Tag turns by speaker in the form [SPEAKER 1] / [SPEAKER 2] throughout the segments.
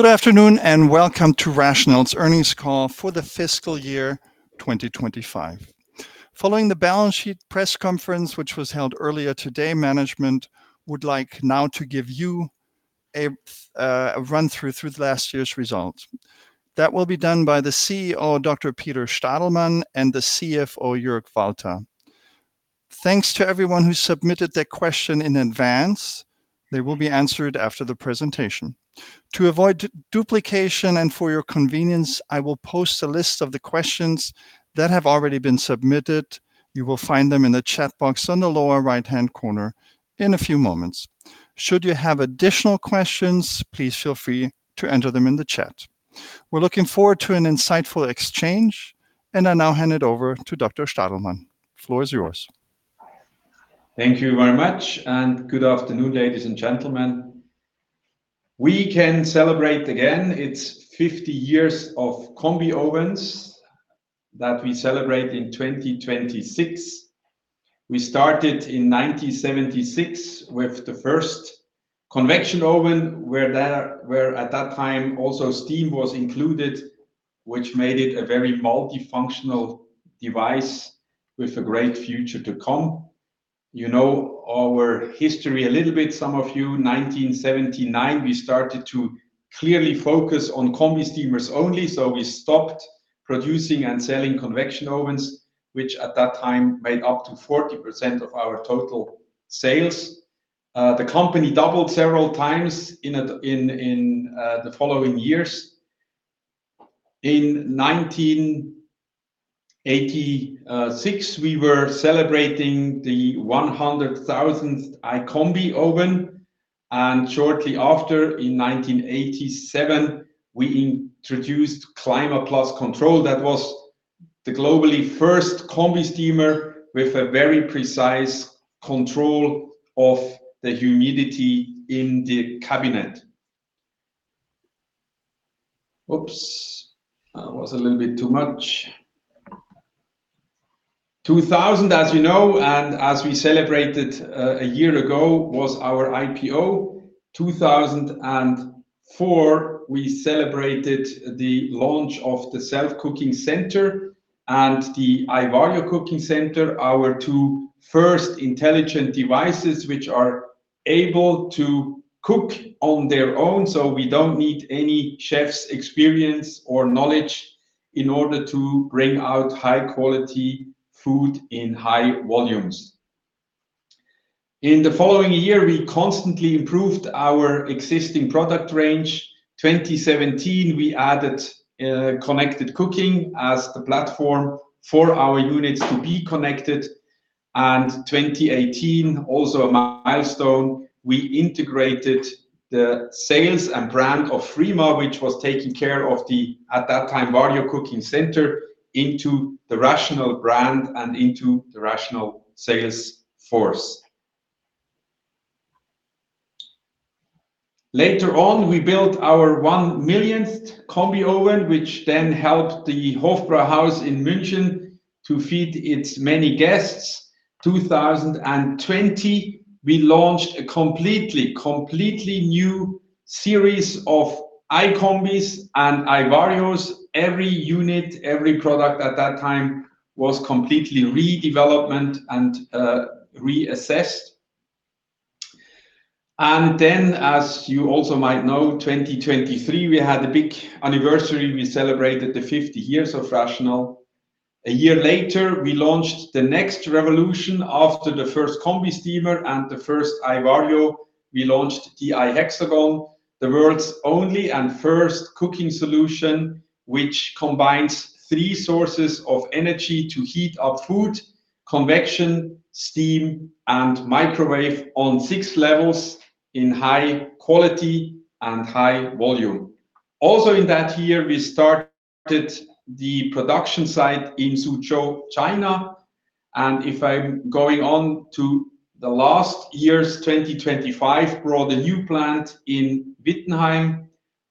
[SPEAKER 1] Good afternoon, and welcome to RATIONAL's earnings call for the fiscal year 2025. Following the balance sheet press conference which was held earlier today, management would like now to give you a run-through of last year's results. That will be done by the CEO, Dr. Peter Stadelmann, and the CFO, Jörg Walter. Thanks to everyone who submitted their question in advance. They will be answered after the presentation. To avoid duplication and for your convenience, I will post a list of the questions that have already been submitted. You will find them in the chat box on the lower right-hand corner in a few moments. Should you have additional questions, please feel free to enter them in the chat. We're looking forward to an insightful exchange, and I now hand it over to Dr. Stadelmann. The floor is yours.
[SPEAKER 2] Thank you very much, and good afternoon, ladies and gentlemen. We can celebrate again. It's 50 years of combi ovens that we celebrate in 2026. We started in 1976 with the first convection oven, where at that time also steam was included, which made it a very multifunctional device with a great future to come. You know our history a little bit, some of you. 1979, we started to clearly focus on combi steamers only. We stopped producing and selling convection ovens, which at that time made up to 40% of our total sales. The company doubled several times in the following years. In 1986, we were celebrating the 100,000th iCombi oven, and shortly after, in 1987, we introduced ClimaPlus Control. That was the globally first Combi-Steamer with a very precise control of the humidity in the cabinet. Oops, that was a little bit too much. 2000, as you know and as we celebrated a year ago, was our IPO. 2004, we celebrated the launch of the SelfCookingCenter and the VarioCookingCenter, our two first intelligent devices which are able to cook on their own, so we don't need any chef's experience or knowledge in order to bring out high-quality food in high volumes. In the following year, we constantly improved our existing product range. 2017, we added ConnectedCooking as the platform for our units to be connected. 2018, also a milestone, we integrated the sales and brand of FRIMA, which was taking care of the, at that time, VarioCookingCenter, into the RATIONAL brand and into the RATIONAL sales force. Later on, we built our 1 millionth combi oven, which then helped the Hofbräuhaus in München to feed its many guests. 2020, we launched a completely new series of iCombi and iVario. Every unit, every product at that time was completely redeveloped and reassessed. As you also might know, 2023, we had a big anniversary. We celebrated the 50 years of RATIONAL. A year later, we launched the next revolution after the first combi steamer and the first iVario. We launched the iHexagon, the world's only and first cooking solution which combines three sources of energy to heat up food, convection, steam, and microwave on 6 levels in high quality and high volume. Also, in that year, we started the production site in Suzhou, China. If I'm going on to the last year's, 2025, brought a new plant in Wittenheim.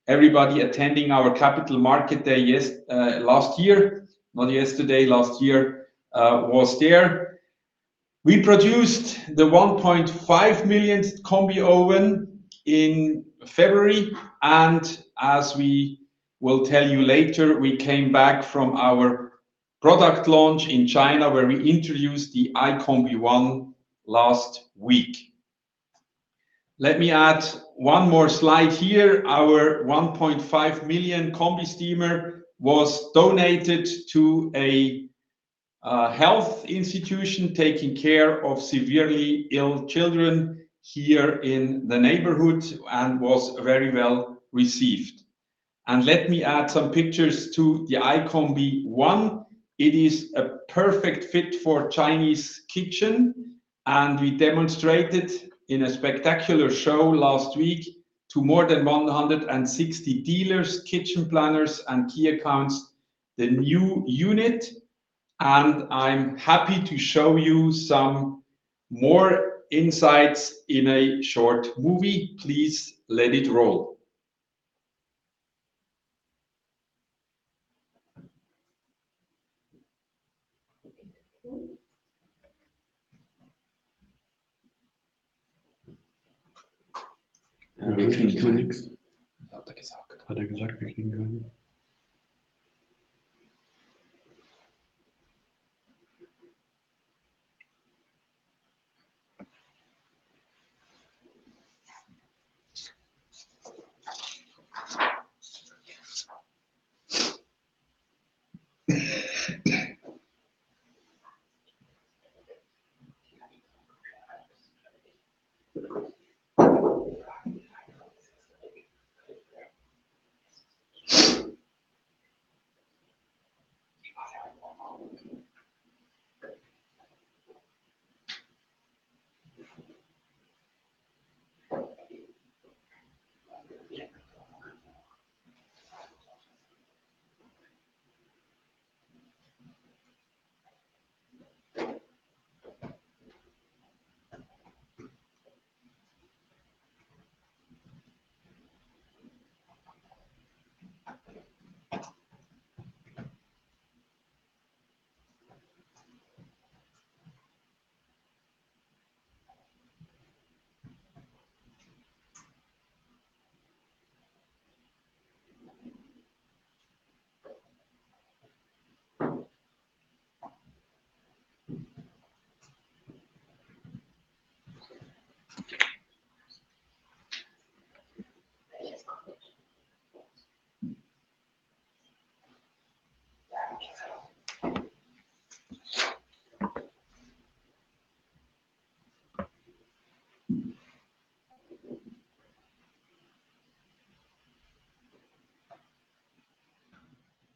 [SPEAKER 2] Everybody attending our Capital Market Day last year, not yesterday, was there. We produced the 1.5 millionth combi oven in February, and as we will tell you later, we came back from our product launch in China, where we introduced the iCombi One last week. Let me add one more slide here. Our 1.5 million combi steamer was donated to a health institution taking care of severely ill children here in the neighborhood and was very well received. Let me add some pictures to the iCombi One. It is a perfect fit for Chinese kitchen, and we demonstrated in a spectacular show last week to more than 160 dealers, kitchen planners, and key accounts the new unit, and I'm happy to show you some more insights in a short movie. Please let it roll.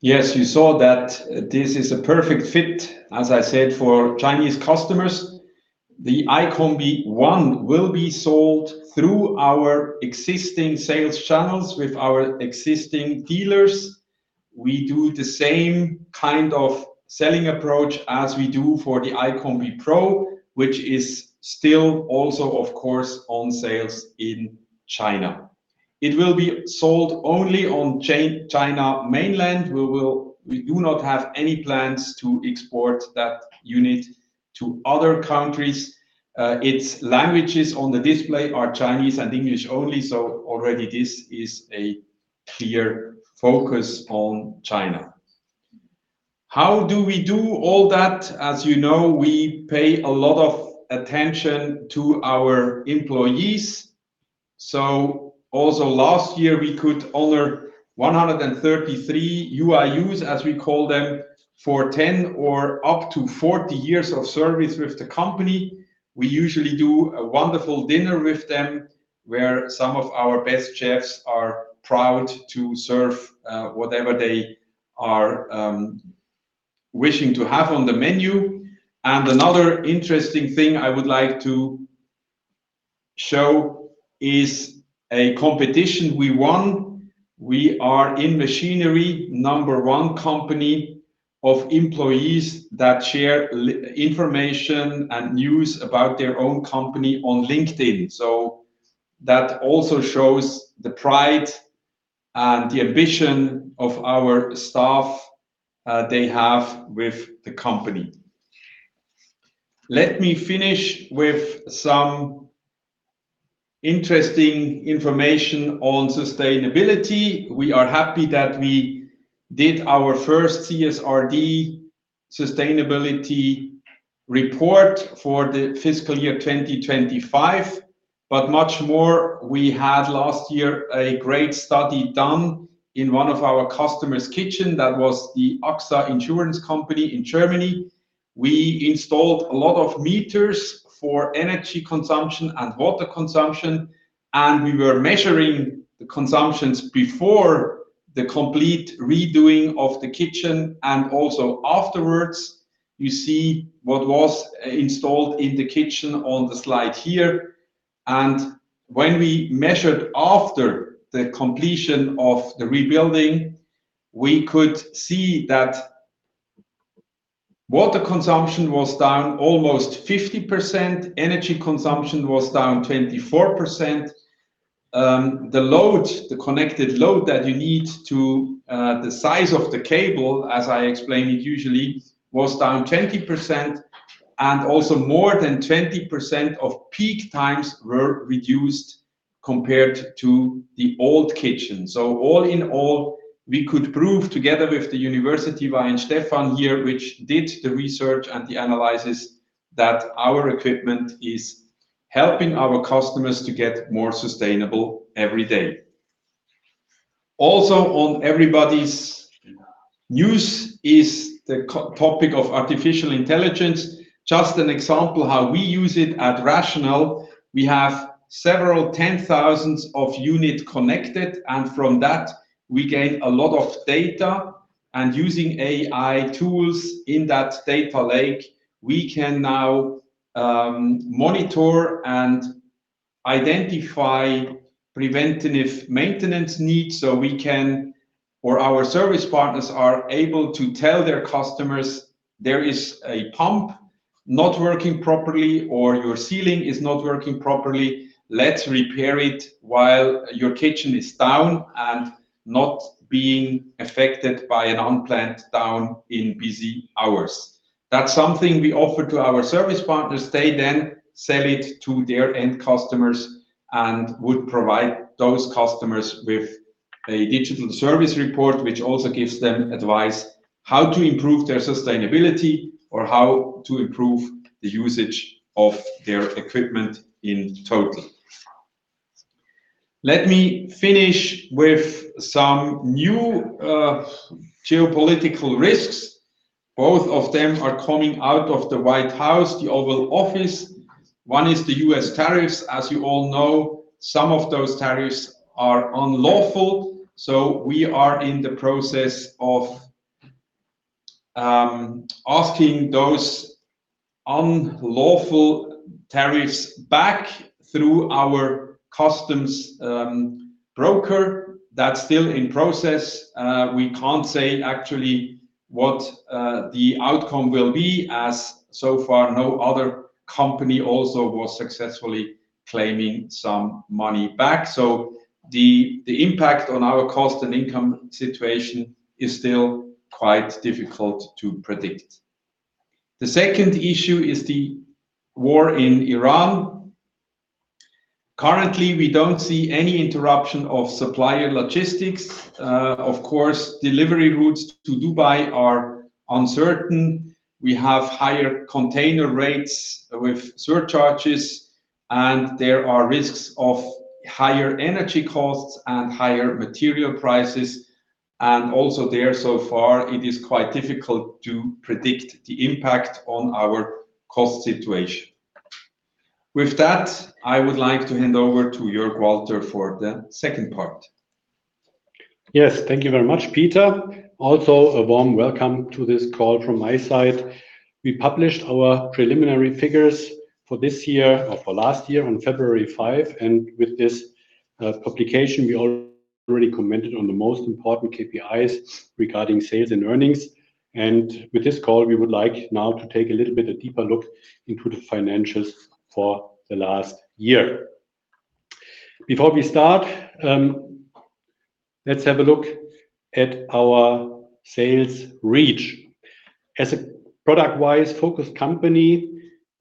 [SPEAKER 2] Yes, you saw that this is a perfect fit, as I said, for Chinese customers. The iCombi One will be sold through our existing sales channels with our existing dealers. We do the same kind of selling approach as we do for the iCombi Pro, which is still also, of course, on sales in China. It will be sold only on China mainland. We do not have any plans to export that unit to other countries. Its languages on the display are Chinese and English only, so already this is a clear focus on China. How do we do all that? As you know, we pay a lot of attention to our employees. So also last year, we could honor 133 UIUs, as we call them, for 10 or up to 40 years of service with the company. We usually do a wonderful dinner with them, where some of our best chefs are proud to serve whatever they are wishing to have on the menu. Another interesting thing I would like to show is a competition we won. We are the number one company in machinery with employees that share information and news about their own company on LinkedIn. That also shows the pride and the ambition of our staff they have with the company. Let me finish with some interesting information on sustainability. We are happy that we did our first CSRD sustainability report for the fiscal year 2025. Much more, we had last year a great study done in one of our customer's kitchen. That was the AXA Versicherung AG in Germany. We installed a lot of meters for energy consumption and water consumption, and we were measuring the consumptions before the complete redoing of the kitchen, and also afterwards. You see what was installed in the kitchen on the slide here. When we measured after the completion of the rebuilding, we could see that water consumption was down almost 50%, energy consumption was down 24%. The load, the connected load that you need to, the size of the cable, as I explained it usually, was down 20%, and also more than 20% of peak times were reduced compared to the old kitchen. All in all, we could prove together with the Weihenstephan-Triesdorf University of Applied Sciences here, which did the research and the analysis, that our equipment is helping our customers to get more sustainable every day. Also on everybody's news is the topic of artificial intelligence. Just an example how we use it at RATIONAL. We have several tens of thousands of units connected, and from that we gain a lot of data. Using AI tools in that data lake, we can now monitor and identify preventative maintenance needs, or our service partners are able to tell their customers there is a pump not working properly or your sealing is not working properly. Let's repair it while your kitchen is not down and not being affected by an unplanned downtime in busy hours. That's something we offer to our service partners. They then sell it to their end customers and would provide those customers with a digital service report, which also gives them advice how to improve their sustainability or how to improve the usage of their equipment in total. Let me finish with some new geopolitical risks. Both of them are coming out of the White House, the Oval Office. One is the U.S. tariffs. As you all know, some of those tariffs are unlawful. We are in the process of asking those unlawful tariffs back through our customs broker. That's still in process. We can't say actually what the outcome will be as so far, no other company also was successfully claiming some money back. The impact on our cost and income situation is still quite difficult to predict. The second issue is the war in Iran. Currently, we don't see any interruption of supply and logistics. Of course, delivery routes to Dubai are uncertain. We have higher container rates with surcharges, and there are risks of higher energy costs and higher material prices. Also there, so far, it is quite difficult to predict the impact on our cost situation. With that, I would like to hand over to Jörg Walter for the second part.
[SPEAKER 3] Yes. Thank you very much, Peter. Also, a warm welcome to this call from my side. We published our preliminary figures for this year or for last year on February 5, and with this publication, we already commented on the most important KPIs regarding sales and earnings. With this call, we would like now to take a little bit a deeper look into the financials for the last year. Before we start, let's have a look at our sales reach. As a product-wise focused company,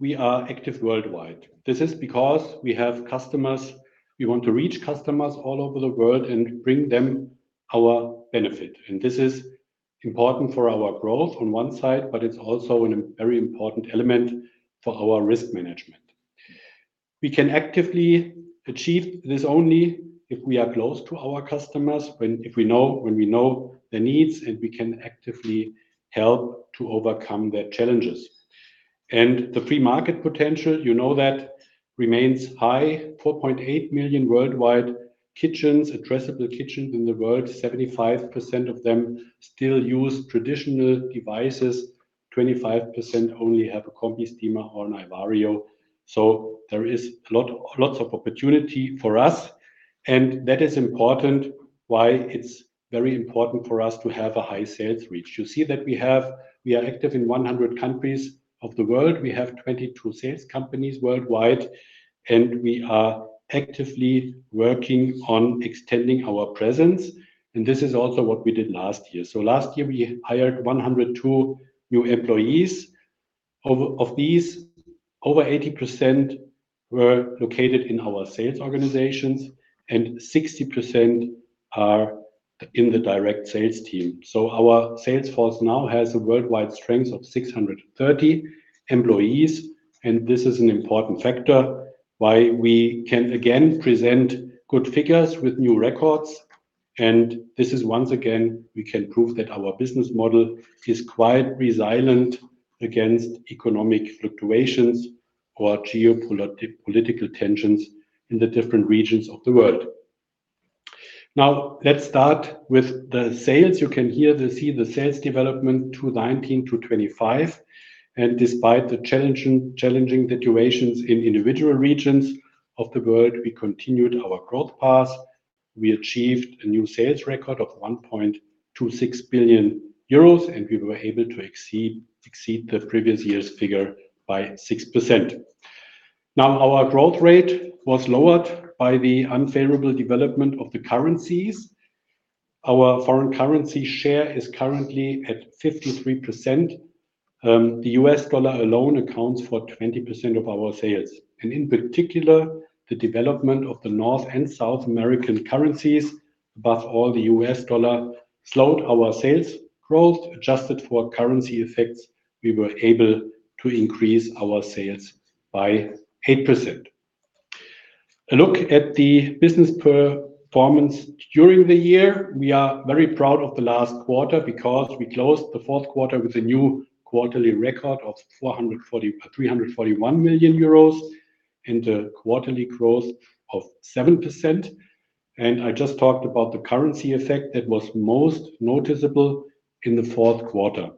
[SPEAKER 3] we are active worldwide. This is because we have customers, we want to reach customers all over the world and bring them our benefit. This is important for our growth on one side, but it's also a very important element for our risk management. We can actively achieve this only if we are close to our customers, if we know their needs, and we can actively help to overcome their challenges. The free market potential, you know that remains high. 4.8 million worldwide addressable kitchens in the world. 75% of them still use traditional devices. 25% only have a Combi-Steamer or an iVario. There is lots of opportunity for us, and that is important why it's very important for us to have a high sales reach. You see that we are active in 100 countries of the world. We have 22 sales companies worldwide, and we are actively working on extending our presence. This is also what we did last year. Last year, we hired 102 new employees. Of these, over 80% were located in our sales organizations, and 60% are in the direct sales team. Our sales force now has a worldwide strength of 630 employees, and this is an important factor why we can again present good figures with new records. This is once again, we can prove that our business model is quite resilient against economic fluctuations or geopolitical tensions in the different regions of the world. Now, let's start with the sales. You can see the sales development 2019 to 2025. Despite the challenging situations in individual regions of the world, we continued our growth path. We achieved a new sales record of 1.26 billion euros, and we were able to exceed the previous year's figure by 6%. Now our growth rate was lowered by the unfavorable development of the currencies. Our foreign currency share is currently at 53%. The US dollar alone accounts for 20% of our sales, and in particular, the development of the North and South American currencies above all the US dollar slowed our sales growth. Adjusted for currency effects, we were able to increase our sales by 8%. A look at the business performance during the year. We are very proud of the last quarter because we closed the fourth quarter with a new quarterly record of 341 million euros and a quarterly growth of 7%. I just talked about the currency effect that was most noticeable in the fourth quarter.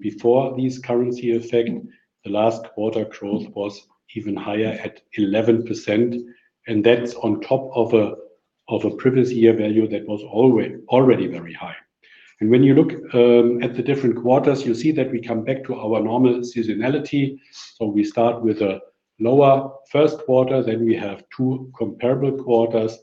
[SPEAKER 3] Before this currency effect, the last quarter growth was even higher at 11%. That's on top of a previous year value that was already very high. When you look at the different quarters, you see that we come back to our normal seasonality. We start with a lower first quarter, then we have two comparable quarters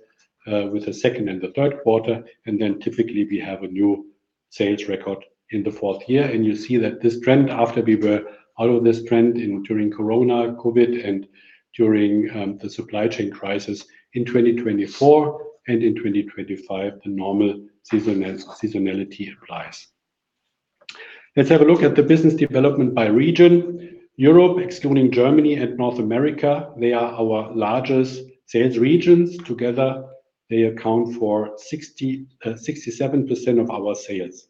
[SPEAKER 3] with the second and the third quarter. Then typically, we have a new sales record in the fourth quarter. You see that this trend after we were out of this trend during Corona, COVID, and during the supply chain crisis in 2024 and in 2025, the normal seasonality applies. Let's have a look at the business development by region. Europe, excluding Germany, and North America, they are our largest sales regions. Together, they account for 67% of our sales.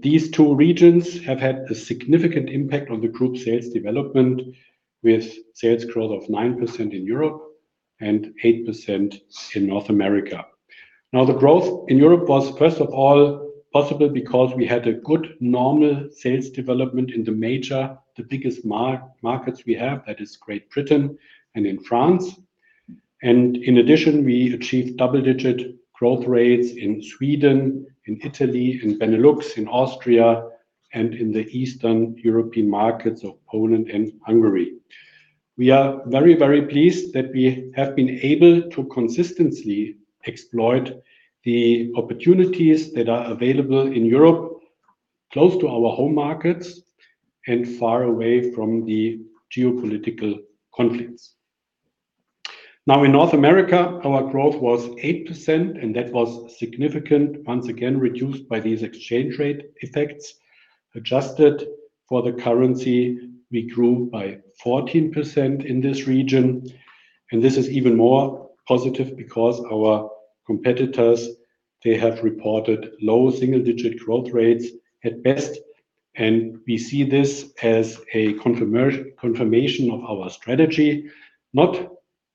[SPEAKER 3] These two regions have had a significant impact on the group sales development with sales growth of 9% in Europe and 8% in North America. Now, the growth in Europe was, first of all, possible because we had a good normal sales development in the major, the biggest markets we have, that is Great Britain and in France. In addition, we achieved double-digit growth rates in Sweden, in Italy, in Benelux, in Austria, and in the Eastern European markets of Poland and Hungary. We are very, very pleased that we have been able to consistently exploit the opportunities that are available in Europe, close to our home markets and far away from the geopolitical conflicts. Now, in North America, our growth was 8%, and that was significant, once again, reduced by these exchange rate effects. Adjusted for the currency, we grew by 14% in this region, and this is even more positive because our competitors, they have reported low single-digit growth rates at best. We see this as a confirmation of our strategy not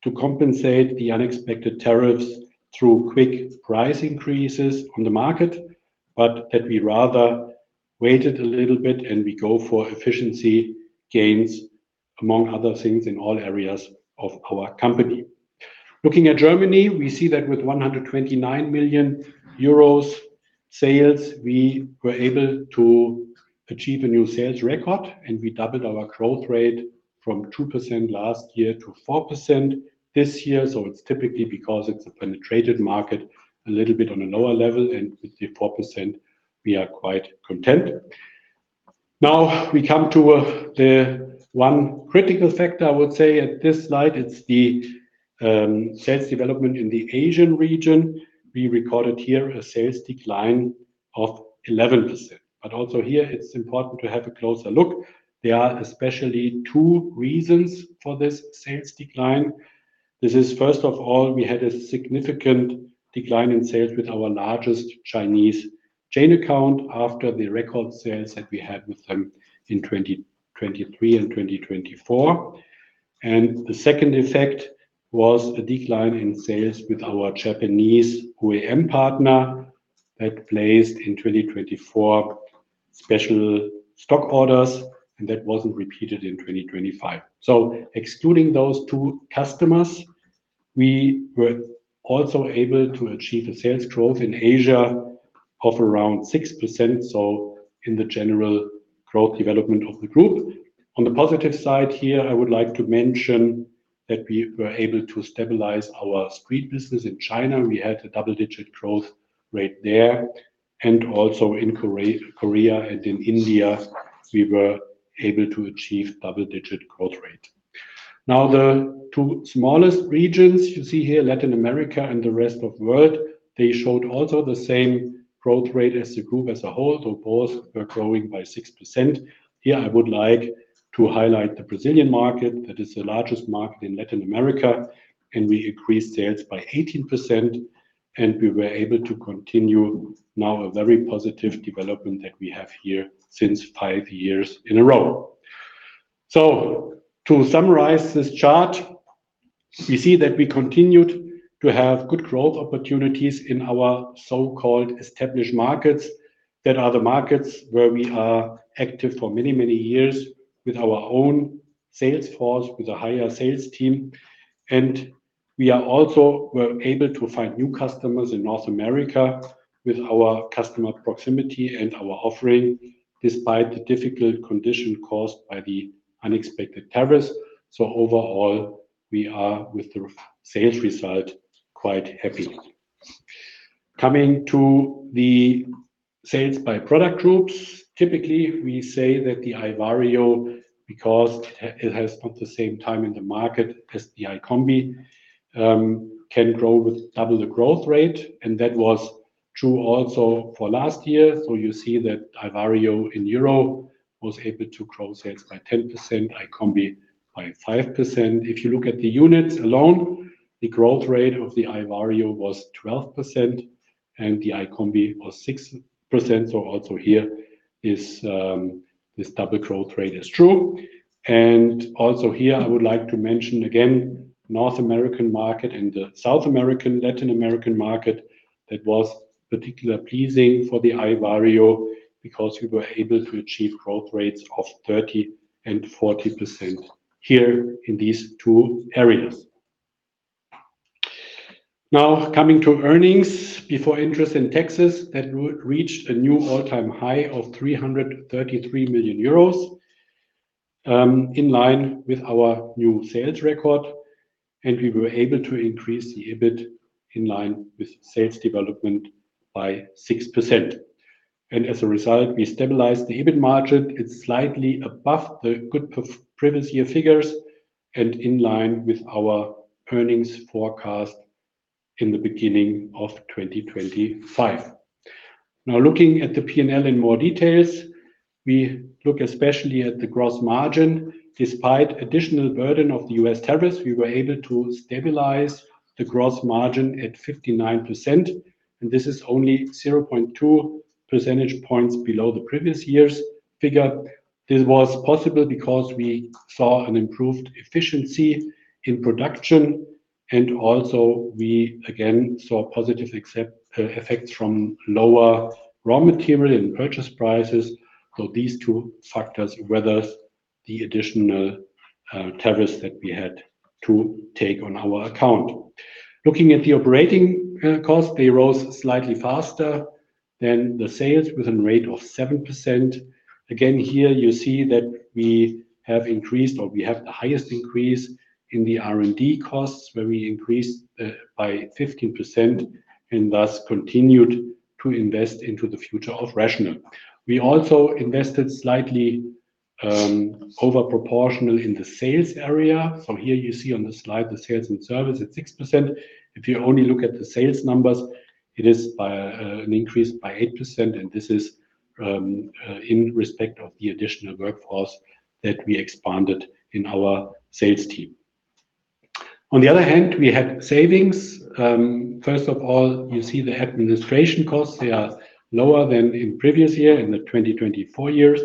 [SPEAKER 3] to compensate the unexpected tariffs through quick price increases on the market, but that we rather waited a little bit and we go for efficiency gains, among other things, in all areas of our company. Looking at Germany, we see that with 129 million euros sales, we were able to achieve a new sales record, and we doubled our growth rate from 2% last year to 4% this year. It's typically because it's a penetrated market a little bit on a lower level, and with the 4%, we are quite content. Now, we come to the one critical factor I would say at this slide. It's the sales development in the Asian region. We recorded here a sales decline of 11%. Also here, it's important to have a closer look. There are especially two reasons for this sales decline. This is, first of all, we had a significant decline in sales with our largest Chinese chain account after the record sales that we had with them in 2023 and 2024. The second effect was a decline in sales with our Japanese OEM partner that placed in 2024 special stock orders, and that wasn't repeated in 2025. Excluding those two customers, we were also able to achieve a sales growth in Asia of around 6%, so in the general growth development of the group. On the positive side here, I would like to mention that we were able to stabilize our street business in China. We had a double-digit growth rate there. Also in Korea and in India, we were able to achieve double-digit growth rate. Now, the two smallest regions you see here, Latin America and the rest of world, they showed also the same growth rate as the group as a whole. Both were growing by 6%. Here, I would like to highlight the Brazilian market. That is the largest market in Latin America, and we increased sales by 18%, and we were able to continue now a very positive development that we have here since 5 years in a row. To summarize this chart, we see that we continued to have good growth opportunities in our so-called established markets that are the markets where we are active for many, many years with our own sales force, with a higher sales team. We are also able to find new customers in North America with our customer proximity and our offering, despite the difficult condition caused by the unexpected tariffs. Overall, we are, with the sales result, quite happy. Coming to the sales by product groups, typically, we say that the iVario, because it has not the same time in the market as the iCombi, can grow with double the growth rate, and that was true also for last year. You see that iVario in euro was able to grow sales by 10%, iCombi by 5%. If you look at the units alone, the growth rate of the iVario was 12% and the iCombi was 6%. Also here, this double growth rate is true. Also here, I would like to mention again, North American market and the South American, Latin American market that was particularly pleasing for the iVario because we were able to achieve growth rates of 30% and 40% here in these two areas. Now coming to earnings before interest in taxes that reached a new all-time high of 333 million euros in line with our new sales record. We were able to increase the EBIT in line with sales development by 6%. As a result, we stabilized the EBIT margin. It's slightly above the good previous year figures and in line with our earnings forecast in the beginning of 2025. Now, looking at the P&L in more detail, we look especially at the gross margin. Despite additional burden of the U.S. tariffs, we were able to stabilize the gross margin at 59%, and this is only 0.2 percentage points below the previous year's figure. This was possible because we saw an improved efficiency in production and also we again saw positive FX effects from lower raw material and purchase prices. These two factors weathered the additional tariffs that we had to take on our account. Looking at the operating costs, they rose slightly faster than the sales with a rate of 7%. Again, here you see that we have the highest increase in the R&D costs, where we increased by 15% and thus continued to invest into the future of RATIONAL. We also invested slightly over proportional in the sales area. Here you see on the slide the sales and service at 6%. If you only look at the sales numbers, it is by an increase by 8%. This is in respect of the additional workforce that we expanded in our sales team. On the other hand, we had savings. First of all, you see the administration costs. They are lower than in previous year, in 2024,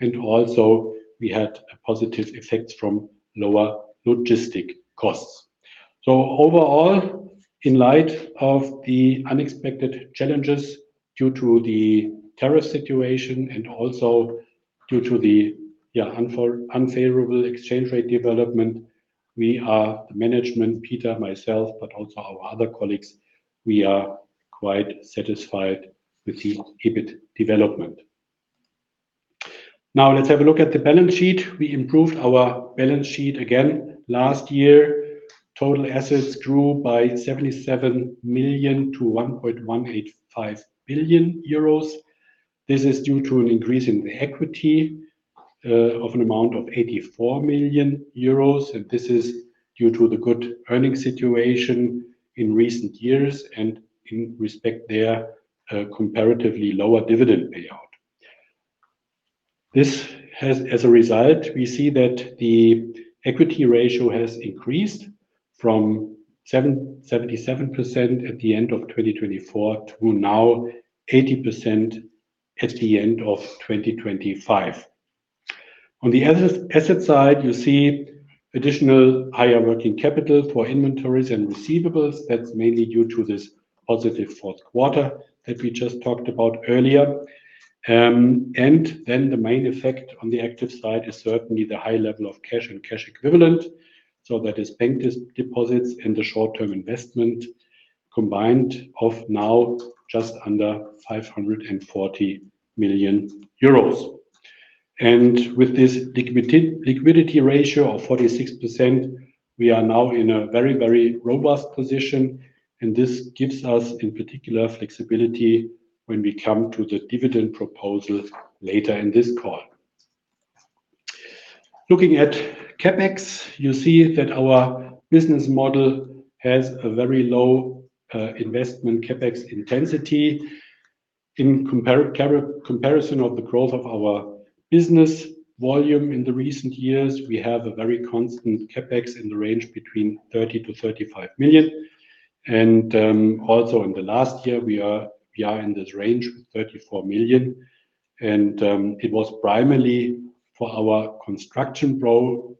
[SPEAKER 3] and also we had positive effects from lower logistics costs. Overall, in light of the unexpected challenges due to the tariff situation and also due to the unfavorable exchange rate development, we are the management, Peter, myself, but also our other colleagues, we are quite satisfied with the EBIT development. Now let's have a look at the balance sheet. We improved our balance sheet again last year. Total assets grew by 77 million to 1.185 billion euros. This is due to an increase in the equity of an amount of 84 million euros, and this is due to the good earning situation in recent years and in respect to their comparatively lower dividend payout. As a result, we see that the equity ratio has increased from 77% at the end of 2024 to now 80% at the end of 2025. On the asset side, you see additional higher working capital for inventories and receivables. That's mainly due to this positive fourth quarter that we just talked about earlier. The main effect on the active side is certainly the high level of cash and cash equivalent. That is bank deposits and the short-term investment combined of now just under 540 million euros. With this liquidity ratio of 46%, we are now in a very, very robust position and this gives us in particular flexibility when we come to the dividend proposal later in this call. Looking at CapEx, you see that our business model has a very low investment CapEx intensity. In comparison of the growth of our business volume in the recent years, we have a very constant CapEx in the range between 30-35 million. Also in the last year, we are in this range, 34 million. It was primarily for our construction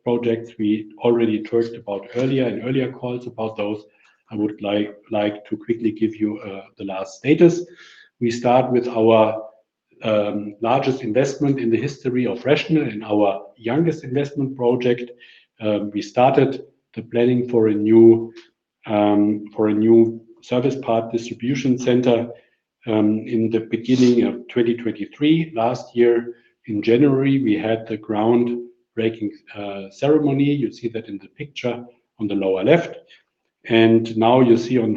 [SPEAKER 3] projects we already talked about earlier in calls about those. I would like to quickly give you the last status. We start with our largest investment in the history of RATIONAL and our youngest investment project. We started the planning for a new service part distribution center in the beginning of 2023. Last year in January, we had the groundbreaking ceremony. You see that in the picture on the lower left. Now you see on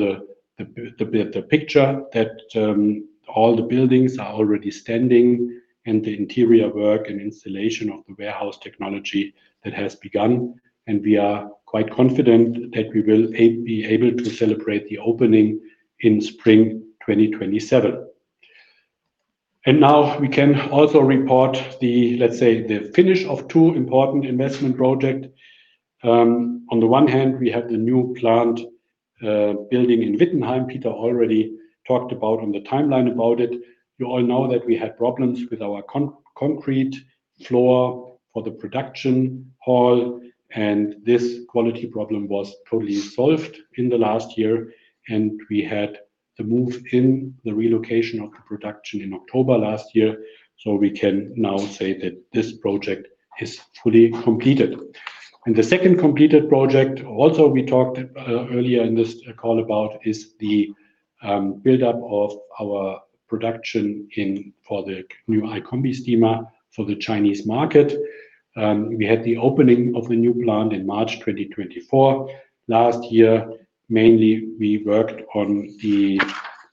[SPEAKER 3] the picture that all the buildings are already standing and the interior work and installation of the warehouse technology that has begun. We are quite confident that we will be able to celebrate the opening in spring 2027. Now we can also report the, let's say, the finish of two important investment project. On the one hand, we have the new plant building in Wittenheim. Peter already talked about on the timeline about it. You all know that we had problems with our concrete floor for the production hall, and this quality problem was totally solved in the last year, and we had the move in the relocation of the production in October last year. We can now say that this project is fully completed. The second completed project, also we talked earlier in this call about, is the build-up of our production for the new iCombi steamer for the Chinese market. We had the opening of the new plant in March 2024. Last year, mainly we worked on the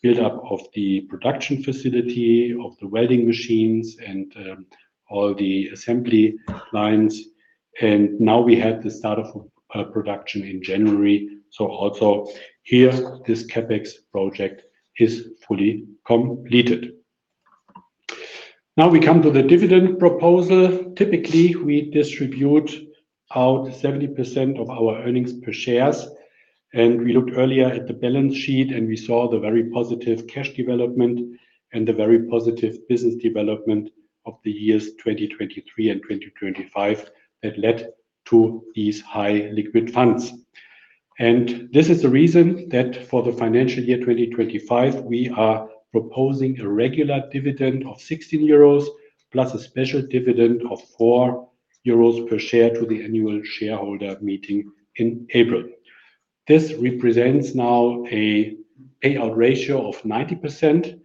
[SPEAKER 3] build-up of the production facility, of the welding machines and all the assembly lines. Now we had the start of production in January. Also here, this CapEx project is fully completed. Now we come to the dividend proposal. Typically, we distribute out 70% of our earnings per share. We looked earlier at the balance sheet, and we saw the very positive cash development and the very positive business development of the years 2023 and 2025 that led to these high liquid funds. This is the reason that for the financial year 2025, we are proposing a regular dividend of 16 euros plus a special dividend of 4 euros per share to the annual shareholder meeting in April. This represents now a payout ratio of 90%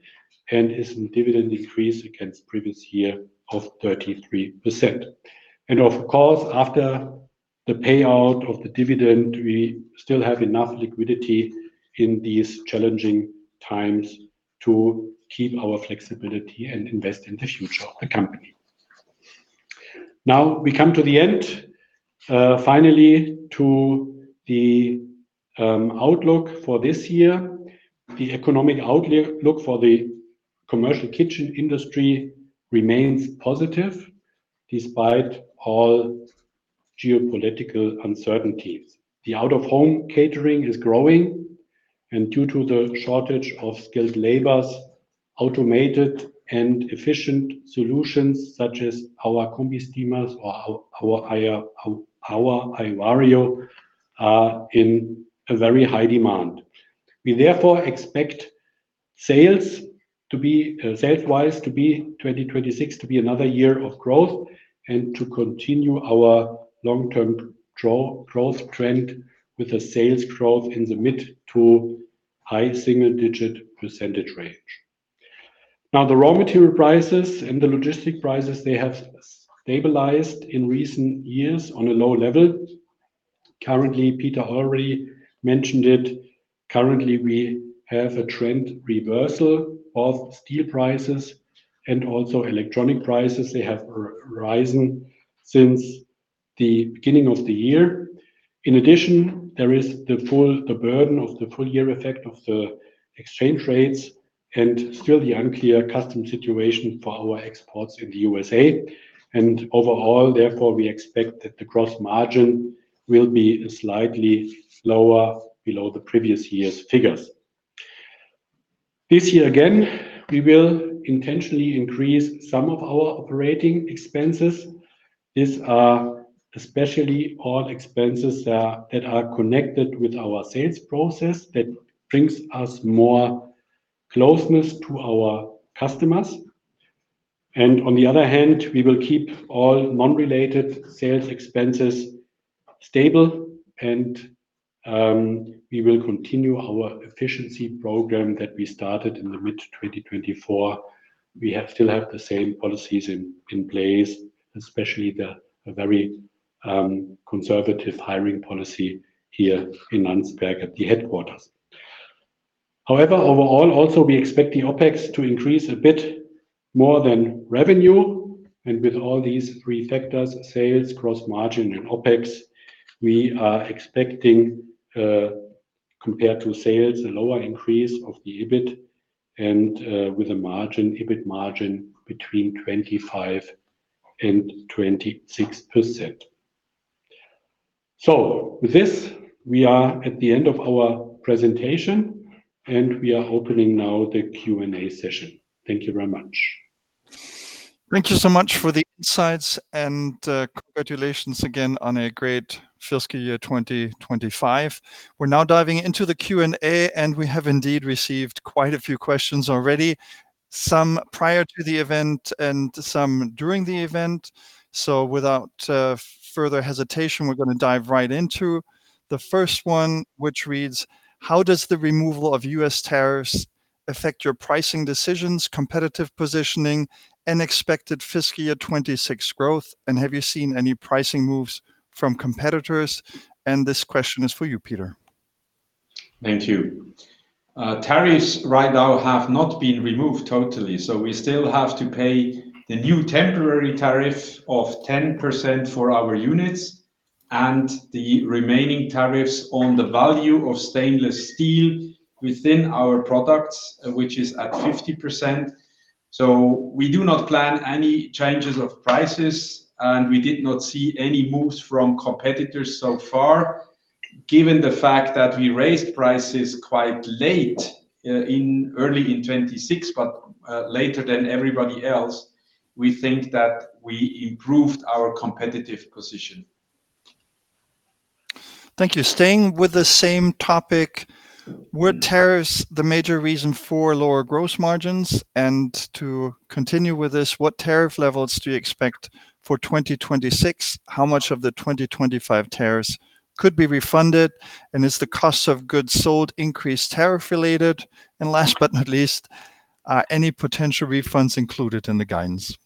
[SPEAKER 3] and is a dividend increase against previous year of 33%. Of course, after the payout of the dividend, we still have enough liquidity in these challenging times to keep our flexibility and invest in the future of the company. Now we come to the end. Finally, to the outlook for this year. The economic outlook for the commercial kitchen industry remains positive despite all geopolitical uncertainties. The out-of-home catering is growing, and due to the shortage of skilled labor, automated and efficient solutions such as our Combi-Steamers or our iVario are in a very high demand. We therefore expect sales to be sales-wise 2026 to be another year of growth and to continue our long-term growth trend with a sales growth in the mid- to high single-digit % range. Now, the raw material prices and the logistics prices, they have stabilized in recent years on a low level. Currently, Peter already mentioned it, currently we have a trend reversal of steel prices and also electronics prices. They have risen since the beginning of the year. In addition, there is the burden of the full year effect of the exchange rates and still the unclear customs situation for our exports in the USA. Overall, therefore, we expect that the gross margin will be slightly lower below the previous year's figures. This year again, we will intentionally increase some of our operating expenses. These are especially all expenses that are connected with our sales process that brings us more closeness to our customers. On the other hand, we will keep all non-related sales expenses stable, and we will continue our efficiency program that we started in the mid-2024. We still have the same policies in place, especially the very conservative hiring policy here in Landsberg am Lech at the headquarters. However, overall, also we expect the OpEx to increase a bit more than revenue. With all these three factors, sales, gross margin and OpEx, we are expecting, compared to sales, a lower increase of the EBIT, and with a margin, EBIT margin between 25%-26%. With this, we are at the end of our presentation, and we are opening now the Q&A session. Thank you very much.
[SPEAKER 1] Thank you so much for the insights and, congratulations again on a great fiscal year 2025. We're now diving into the Q&A, and we have indeed received quite a few questions already, some prior to the event and some during the event. Without further hesitation, we're gonna dive right into the first one, which reads: How does the removal of US tariffs affect your pricing decisions, competitive positioning, and expected fiscal year 2026 growth? And have you seen any pricing moves from competitors? This question is for you, Peter.
[SPEAKER 2] Thank you. Tariffs right now have not been removed totally, so we still have to pay the new temporary tariff of 10% for our units and the remaining tariffs on the value of stainless steel within our products, which is at 50%. We do not plan any changes of prices, and we did not see any moves from competitors so far. Given the fact that we raised prices quite late in early 2026, but later than everybody else, we think that we improved our competitive position.
[SPEAKER 1] Thank you. Staying with the same topic, were tariffs the major reason for lower gross margins? To continue with this, what tariff levels do you expect for 2026? How much of the 2025 tariffs could be refunded? Is the cost of goods sold increased tariff-related? Last but not least, are any potential refunds included in the guidance?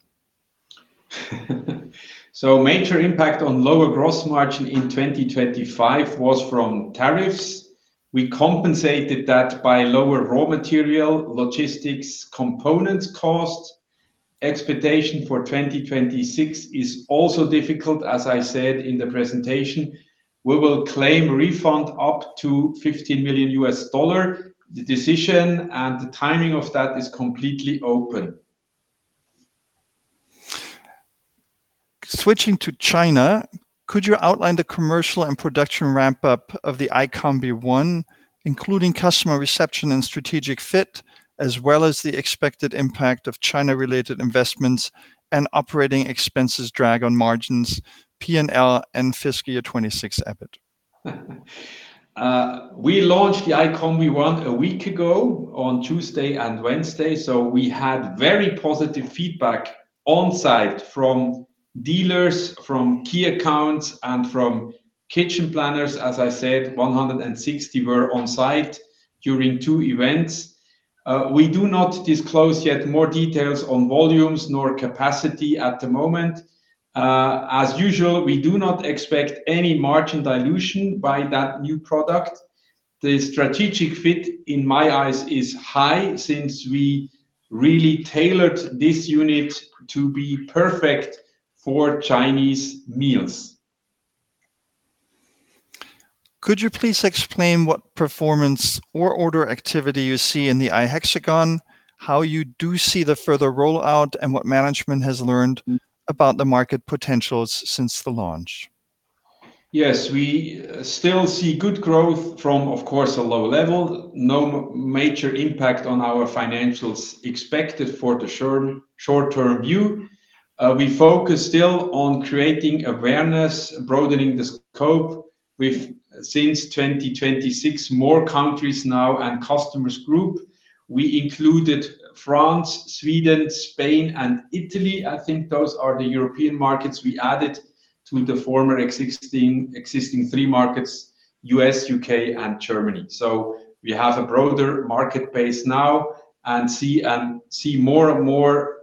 [SPEAKER 2] Major impact on lower gross margin in 2025 was from tariffs. We compensated that by lower raw material, logistics, components costs. Expectation for 2026 is also difficult, as I said in the presentation. We will claim refund up to $15 million. The decision and the timing of that is completely open.
[SPEAKER 1] Switching to China, could you outline the commercial and production ramp-up of the iCombi One, including customer reception and strategic fit, as well as the expected impact of China-related investments and operating expenses drag on margins, P&L and fiscal year 2026 EBIT?
[SPEAKER 2] We launched the iCombi One a week ago on Tuesday and Wednesday, so we had very positive feedback on-site from dealers, from key accounts, and from kitchen planners. As I said, 160 were on-site during two events. We do not disclose yet more details on volumes nor capacity at the moment. As usual, we do not expect any margin dilution by that new product. The strategic fit in my eyes is high since we really tailored this unit to be perfect for Chinese meals.
[SPEAKER 1] Could you please explain what performance or order activity you see in the iHexagon, how you do see the further rollout, and what management has learned about the market potentials since the launch?
[SPEAKER 2] Yes. We still see good growth from, of course, a low level. No major impact on our financials expected for the short-term view. We focus still on creating awareness, broadening the scope. We've, since 2026, more countries now and customers group. We included France, Sweden, Spain, and Italy. I think those are the European markets we added to the former existing three markets, U.S., U.K., and Germany. We have a broader market base now and see more and more,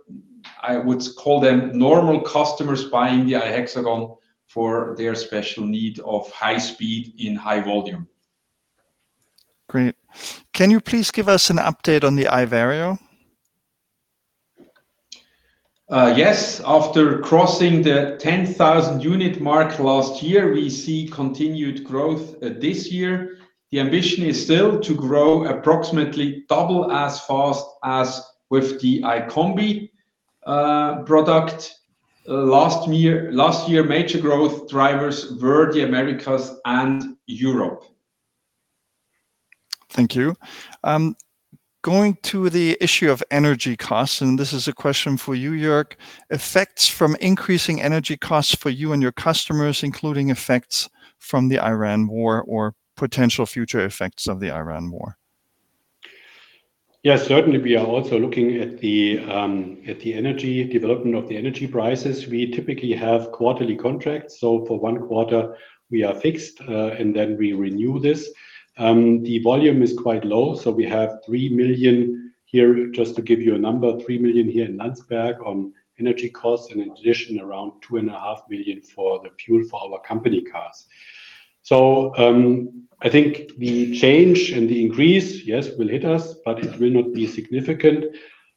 [SPEAKER 2] I would call them normal customers buying the iHexagon for their special need of high speed in high volume.
[SPEAKER 1] Great. Can you please give us an update on the iVario?
[SPEAKER 2] Yes. After crossing the 10,000 unit mark last year, we see continued growth, this year. The ambition is still to grow approximately double as fast as with the iCombi, product. Last year, major growth drivers were the Americas and Europe.
[SPEAKER 1] Thank you. Going to the issue of energy costs, and this is a question for you, Jörg, effects from increasing energy costs for you and your customers, including effects from the Iran war or potential future effects of the Iran war.
[SPEAKER 3] Yes, certainly. We are also looking at the development of the energy prices. We typically have quarterly contracts, so for one quarter we are fixed, and then we renew this. The volume is quite low, so we have 3 million here, just to give you a number, in Landsberg am Lech on energy costs, and in addition, around 2.5 million for the fuel for our company cars. I think the change and the increase, yes, will hit us, but it will not be significant.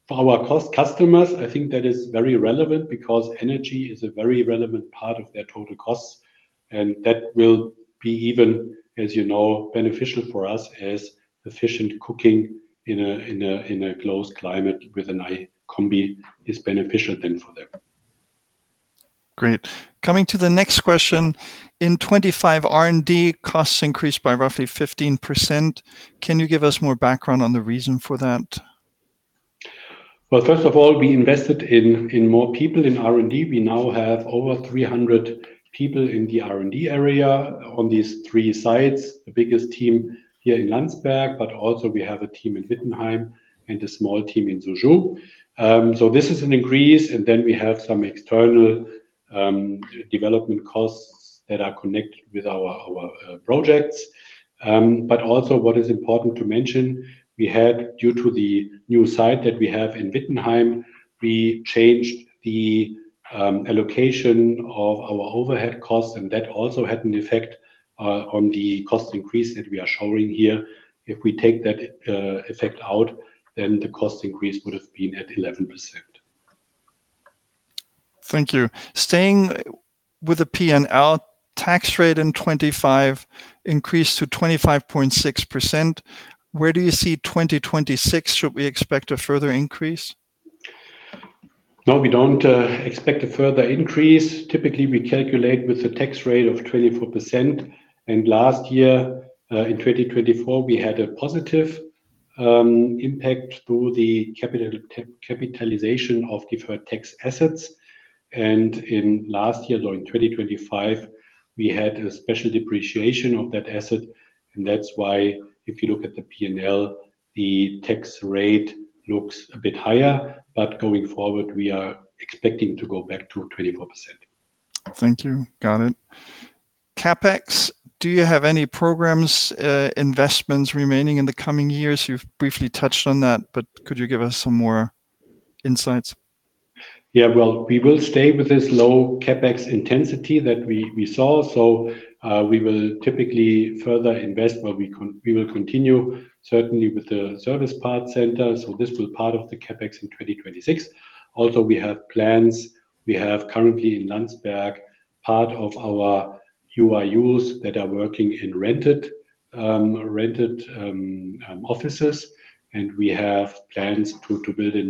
[SPEAKER 3] For our customers, I think that is very relevant because energy is a very relevant part of their total costs, and that will be even, as you know, beneficial for us as efficient cooking in a closed climate with an iCombi is beneficial then for them.
[SPEAKER 1] Great. Coming to the next question. In 2025, R&D costs increased by roughly 15%. Can you give us more background on the reason for that?
[SPEAKER 3] Well, first of all, we invested in more people in R&D. We now have over 300 people in the R&D area on these three sites. The biggest team here in Landsberg, but also we have a team in Wittenheim and a small team in Suzhou. This is an increase. We have some external development costs that are connected with our projects. What is important to mention, we had due to the new site that we have in Wittenheim, we changed the allocation of our overhead costs, and that also had an effect on the cost increase that we are showing here. If we take that effect out, the cost increase would have been at 11%.
[SPEAKER 1] Thank you. Staying with the P&L tax rate in 2025 increased to 25.6%. Where do you see 2026? Should we expect a further increase?
[SPEAKER 3] No, we don't expect a further increase. Typically, we calculate with a tax rate of 24%, and last year, in 2024, we had a positive impact through the capitalization of deferred tax assets. In last year, during 2025, we had a special depreciation of that asset, and that's why if you look at the P&L, the tax rate looks a bit higher. Going forward, we are expecting to go back to 24%.
[SPEAKER 1] Thank you. Got it. CapEx, do you have any programs, investments remaining in the coming years? You've briefly touched on that, but could you give us some more insights?
[SPEAKER 3] Yeah. Well, we will stay with this low CapEx intensity that we saw. We will typically further invest. Well, we will continue certainly with the service parts center, so this will be part of the CapEx in 2026. We have plans. We have currently in Landsberg part of our UIUs that are working in rented offices, and we have plans to build a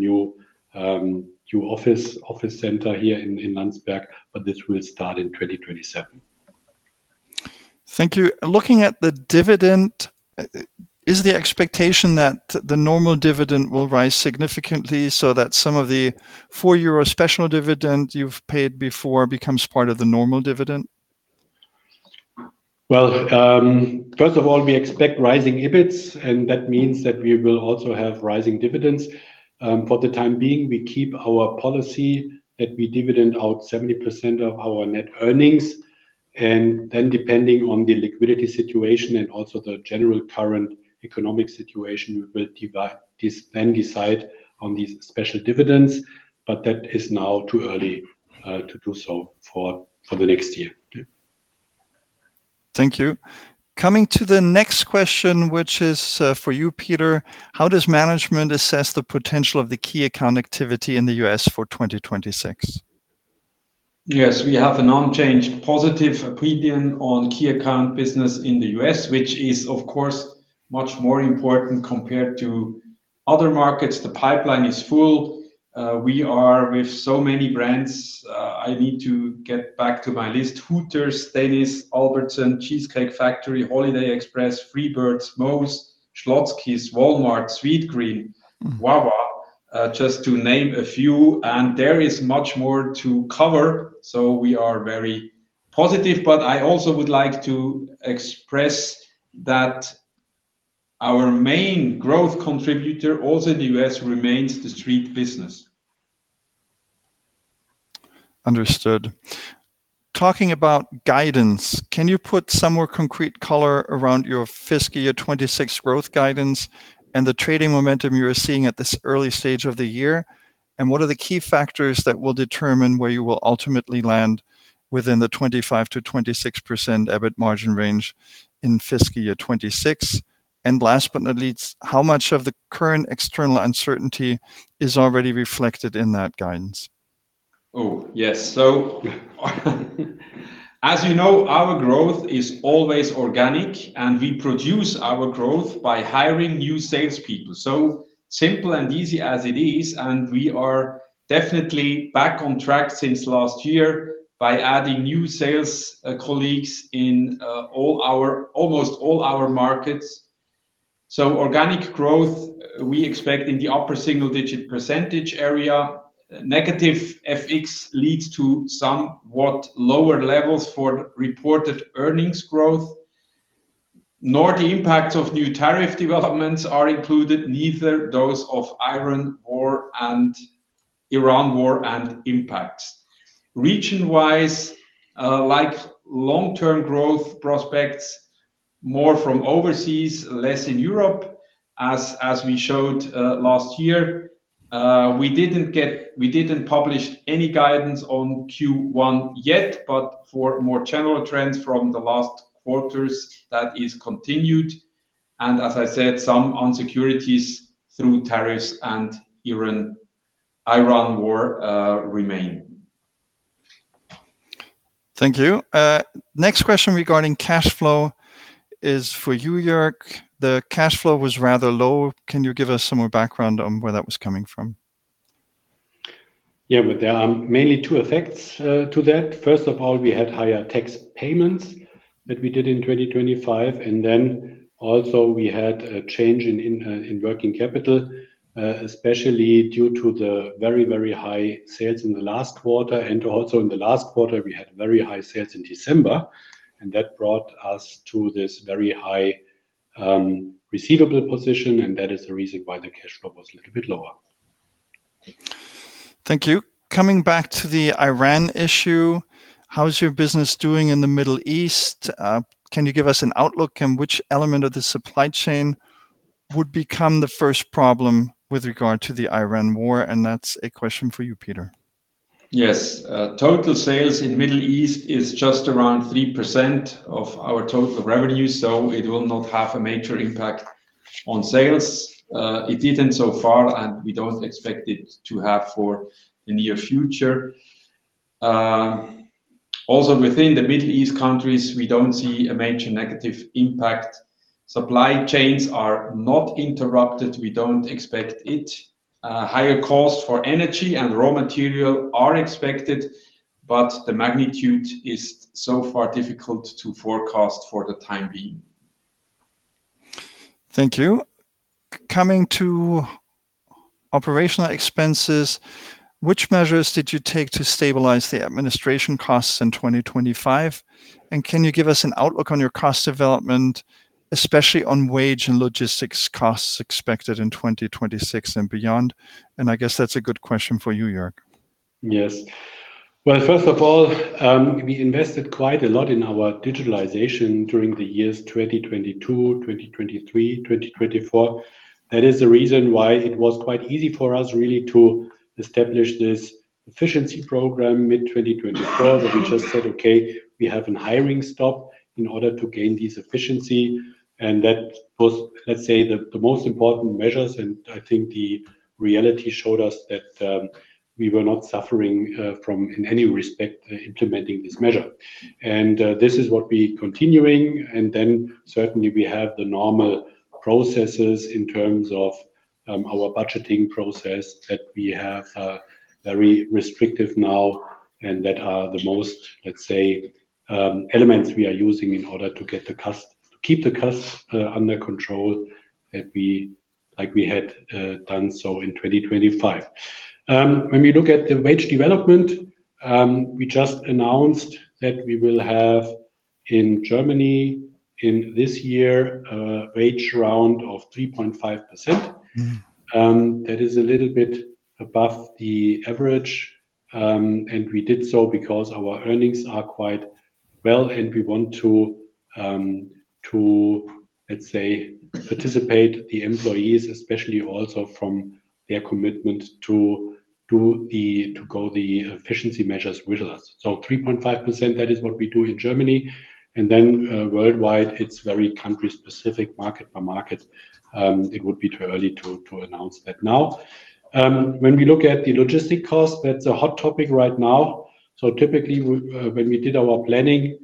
[SPEAKER 3] new office center here in Landsberg, but this will start in 2027.
[SPEAKER 1] Thank you. Looking at the dividend, is the expectation that the normal dividend will rise significantly so that some of the four-year or special dividend you've paid before becomes part of the normal dividend?
[SPEAKER 3] Well, first of all, we expect rising EBITs, and that means that we will also have rising dividends. For the time being, we keep our policy that we dividend out 70% of our net earnings. Depending on the liquidity situation and also the general current economic situation, we will then decide on these special dividends. That is now too early to do so for the next year. Yeah.
[SPEAKER 1] Thank you. Coming to the next question, which is, for you, Peter. How does management assess the potential of the key account activity in the US for 2026?
[SPEAKER 2] Yes, we have an unchanged positive opinion on key account business in the U.S., which is, of course, much more important compared to other markets. The pipeline is full. We are with so many brands. I need to get back to my list. Hooters, Denny's, Albertson's, The Cheesecake Factory, Holiday Inn Express, Freebirds World Burrito, Moe's Southwest Grill, Schlotzsky's, Walmart, Sweetgreen.
[SPEAKER 1] Mm-hmm
[SPEAKER 2] Wawa, just to name a few, and there is much more to cover, so we are very positive. I also would like to express that our main growth contributor, also in the U.S., remains the street business.
[SPEAKER 1] Understood. Talking about guidance, can you put some more concrete color around your fiscal year 2026 growth guidance and the trading momentum you are seeing at this early stage of the year? What are the key factors that will determine where you will ultimately land within the 25%-26% EBIT margin range in fiscal year 2026? Last but not least, how much of the current external uncertainty is already reflected in that guidance?
[SPEAKER 2] Oh, yes. As you know, our growth is always organic, and we produce our growth by hiring new salespeople. Simple and easy as it is, and we are definitely back on track since last year by adding new sales colleagues in almost all our markets. Organic growth, we expect in the upper single-digit % area. Negative FX leads to somewhat lower levels for reported earnings growth. Nor the impact of new tariff developments are included, neither those of Iran war and impacts. Region-wise, like long-term growth prospects, more from overseas, less in Europe as we showed last year. We didn't publish any guidance on Q1 yet, but for more general trends from the last quarters, that is continued. As I said, some insecurities through tariffs and Iran war remain.
[SPEAKER 1] Thank you. Next question regarding cash flow is for you, Jörg. The cash flow was rather low. Can you give us some more background on where that was coming from?
[SPEAKER 3] Yeah. There are mainly two effects to that. First of all, we had higher tax payments that we did in 2025, and then also we had a change in working capital, especially due to the very, very high sales in the last quarter. In the last quarter, we had very high sales in December, and that brought us to this very high receivable position, and that is the reason why the cash flow was a little bit lower.
[SPEAKER 1] Thank you. Coming back to the Iran issue, how is your business doing in the Middle East? Can you give us an outlook on which element of the supply chain would become the first problem with regard to the Iran war? That's a question for you, Peter.
[SPEAKER 2] Yes. Total sales in Middle East is just around 3% of our total revenue, so it will not have a major impact.
[SPEAKER 3] On sales, it didn't so far, and we don't expect it to have for the near future. Also within the Middle East countries, we don't see a major negative impact. Supply chains are not interrupted. We don't expect it. Higher costs for energy and raw material are expected, but the magnitude is so far difficult to forecast for the time being.
[SPEAKER 1] Thank you. Coming to operational expenses, which measures did you take to stabilize the administration costs in 2025? Can you give us an outlook on your cost development, especially on wage and logistics costs expected in 2026 and beyond? I guess that's a good question for you, Jörg.
[SPEAKER 3] Yes. Well, first of all, we invested quite a lot in our digitalization during the years 2022, 2023, 2024. That is the reason why it was quite easy for us really to establish this efficiency program mid-2024 that we just said, "Okay, we have a hiring stop in order to gain this efficiency." That was, let's say, the most important measures, and I think the reality showed us that we were not suffering from in any respect implementing this measure. This is what we continuing, and then certainly we have the normal processes in terms of our budgeting process that we have very restrictive now and that are the most, let's say, elements we are using in order to keep the costs under control like we had done so in 2025. When we look at the wage development, we just announced that we will have in Germany in this year a wage round of 3.5%.
[SPEAKER 1] Mm-hmm.
[SPEAKER 3] That is a little bit above the average. We did so because our earnings are quite well, and we want to, let's say, participate the employees, especially also from their commitment to go the efficiency measures with us. 3.5%, that is what we do in Germany. Worldwide, it's very country-specific, market by market. It would be too early to announce that now. When we look at the logistics cost, that's a hot topic right now. Typically when we did our planning,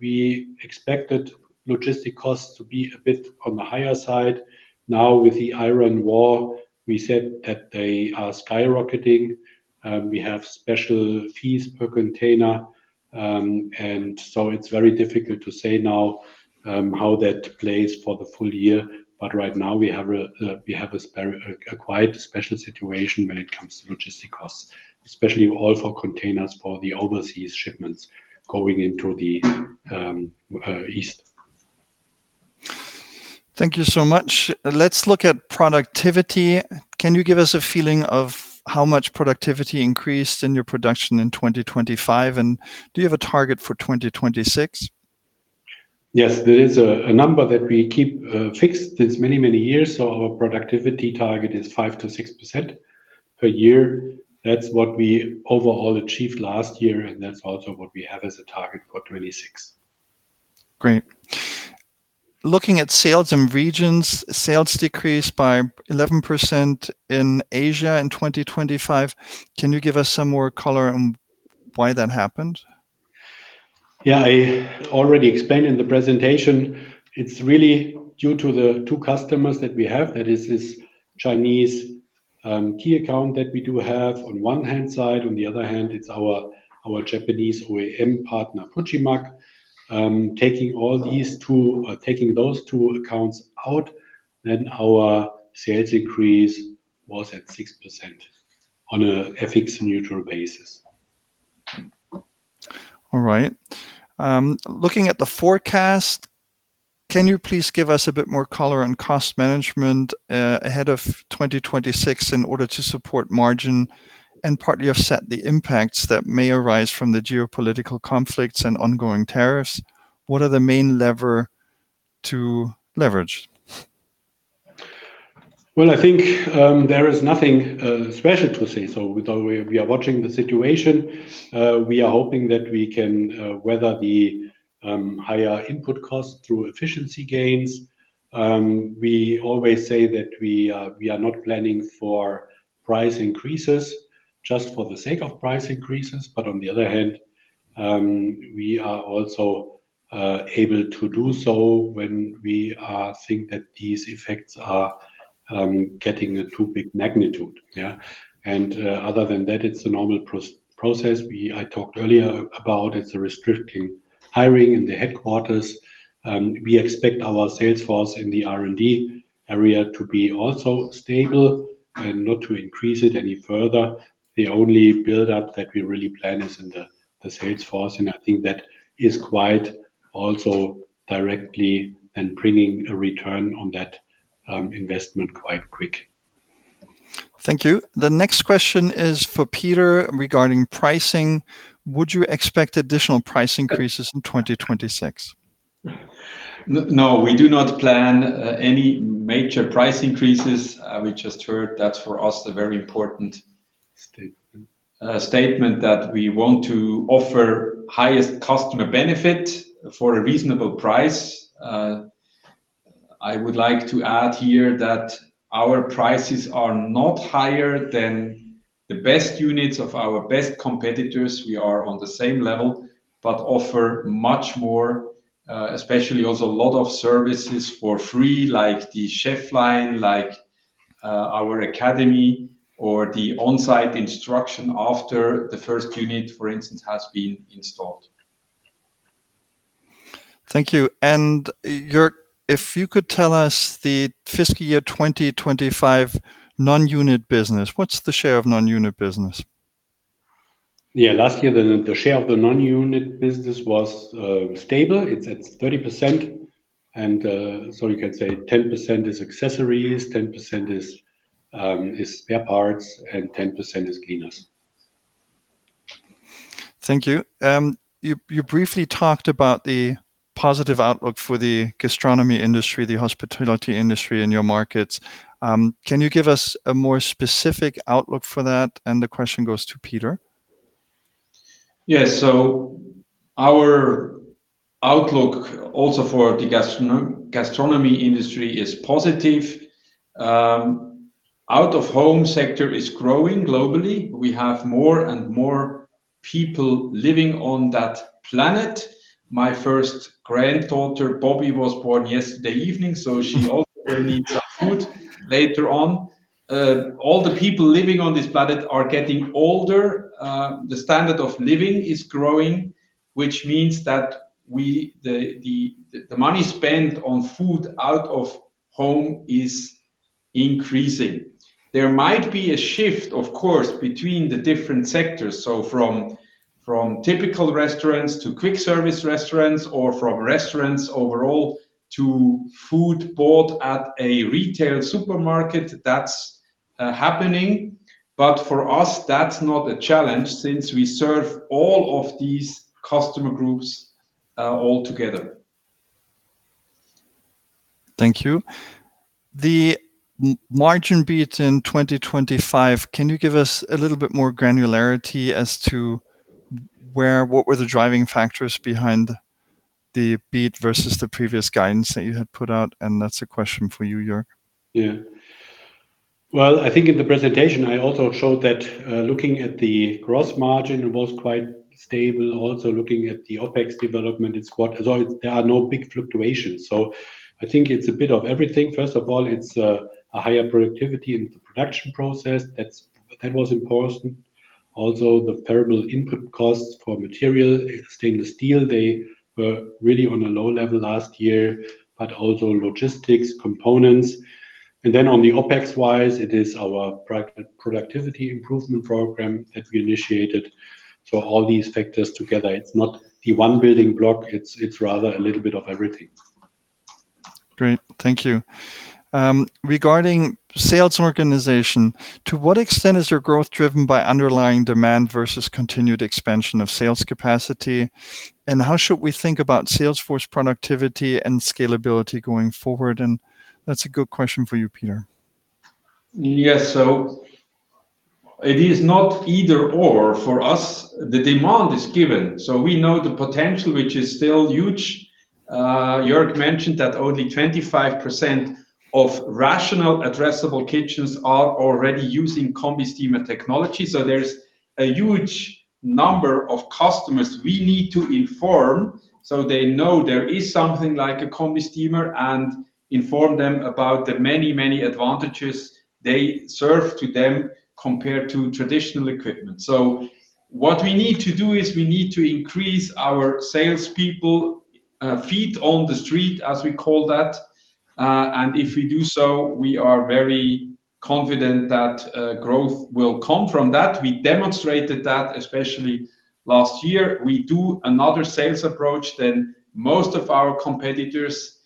[SPEAKER 3] we expected logistics costs to be a bit on the higher side. Now, with the Iran war, we said that they are skyrocketing. We have special fees per container, and it's very difficult to say now how that plays for the full year. Right now we have a quite special situation when it comes to logistics costs, especially all for containers for the overseas shipments going into the East.
[SPEAKER 1] Thank you so much. Let's look at productivity. Can you give us a feeling of how much productivity increased in your production in 2025? Do you have a target for 2026?
[SPEAKER 3] Yes, there is a number that we keep fixed since many, many years. Our productivity target is 5%-6% per year. That's what we overall achieved last year, and that's also what we have as a target for 2026.
[SPEAKER 1] Great. Looking at sales and regions, sales decreased by 11% in Asia in 2025. Can you give us some more color on why that happened?
[SPEAKER 3] Yeah. I already explained in the presentation it's really due to the two customers that we have. That is this Chinese key account that we do have on one hand side. On the other hand, it's our Japanese OEM partner, Fujimak. Taking those two accounts out, then our sales increase was at 6% on a FX-neutral basis.
[SPEAKER 1] All right. Looking at the forecast, can you please give us a bit more color on cost management, ahead of 2026 in order to support margin and partly offset the impacts that may arise from the geopolitical conflicts and ongoing tariffs? What are the main lever to leverage?
[SPEAKER 3] Well, I think there is nothing special to say. Though we are watching the situation. We are hoping that we can weather the higher input costs through efficiency gains. We always say that we are not planning for price increases just for the sake of price increases. But on the other hand, we are also able to do so when we think that these effects are getting a too big magnitude. Yeah. Other than that, it's a normal process. I talked earlier about it's restricting hiring in the headquarters. We expect our sales force in the R&D area to be also stable and not to increase it any further. The only build-up that we really plan is in the sales force, and I think that is quite also directly and bringing a return on that investment quite quickly.
[SPEAKER 1] Thank you. The next question is for Peter regarding pricing. Would you expect additional price increases in 2026?
[SPEAKER 3] No, we do not plan any major price increases. We just heard that's for us the very important-
[SPEAKER 1] Statement
[SPEAKER 2] A statement that we want to offer highest customer benefit for a reasonable price. I would like to add here that our prices are not higher than the best units of our best competitors. We are on the same level, but offer much more, especially also a lot of services for free, like the ChefLine, like our academy or the on-site instruction after the first unit, for instance, has been installed.
[SPEAKER 1] Thank you. Jörg, if you could tell us the fiscal year 2025 non-unit business. What's the share of non-unit business?
[SPEAKER 3] Yeah. Last year, the share of the non-unit business was stable. It's at 30% and so you could say 10% is accessories, 10% is spare parts, and 10% is cleaners.
[SPEAKER 1] Thank you. You briefly talked about the positive outlook for the gastronomy industry, the hospitality industry in your markets. Can you give us a more specific outlook for that? The question goes to Peter.
[SPEAKER 2] Yes. Our outlook also for the gastronomy industry is positive. Out-of-home sector is growing globally. We have more and more people living on that planet. My first granddaughter, Bobby, was born yesterday evening, so she also will need some food later on. All the people living on this planet are getting older. The standard of living is growing, which means that the money spent on food out of home is increasing. There might be a shift, of course, between the different sectors. From typical restaurants to quick service restaurants or from restaurants overall to food bought at a retail supermarket. That's happening. For us, that's not a challenge since we serve all of these customer groups all together.
[SPEAKER 1] Thank you. The margin beat in 2025, can you give us a little bit more granularity as to what were the driving factors behind the beat versus the previous guidance that you had put out? That's a question for you, Jörg.
[SPEAKER 3] Yeah. Well, I think in the presentation I also showed that, looking at the gross margin, it was quite stable. Also, looking at the OpEx development, although there are no big fluctuations. I think it's a bit of everything. First of all, it's a higher productivity in the production process. That was important. Also, the variable input costs for material, stainless steel, they were really on a low level last year, but also logistics, components. Then on the OpEx-wise, it is our pro-productivity improvement program that we initiated. All these factors together. It's not the one building block, it's rather a little bit of everything.
[SPEAKER 1] Great. Thank you. Regarding sales organization, to what extent is your growth driven by underlying demand versus continued expansion of sales capacity? And how should we think about sales force productivity and scalability going forward? That's a good question for you, Peter.
[SPEAKER 2] Yes. It is not either/or. For us, the demand is given. We know the potential, which is still huge. Jörg mentioned that only 25% of RATIONAL Addressable Kitchens are already using combi steamer technology. There's a huge number of customers we need to inform, so they know there is something like a combi steamer and inform them about the many, many advantages they serve to them compared to traditional equipment. What we need to do is we need to increase our salespeople feet on the street, as we call that. If we do so, we are very confident that growth will come from that. We demonstrated that especially last year. We do another sales approach than most of our competitors.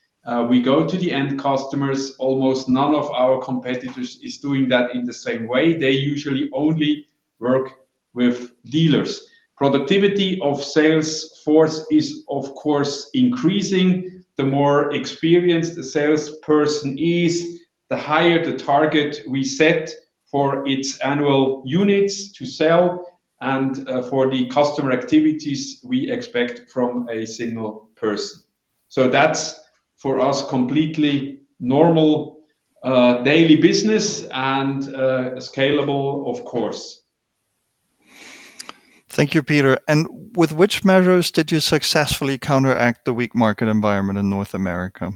[SPEAKER 2] We go to the end customers. Almost none of our competitors is doing that in the same way. They usually only work with dealers. Productivity of sales force is, of course, increasing. The more experienced the salesperson is, the higher the target we set for its annual units to sell and for the customer activities we expect from a single person. That's for us completely normal daily business and scalable, of course.
[SPEAKER 1] Thank you, Peter. With which measures did you successfully counteract the weak market environment in North America?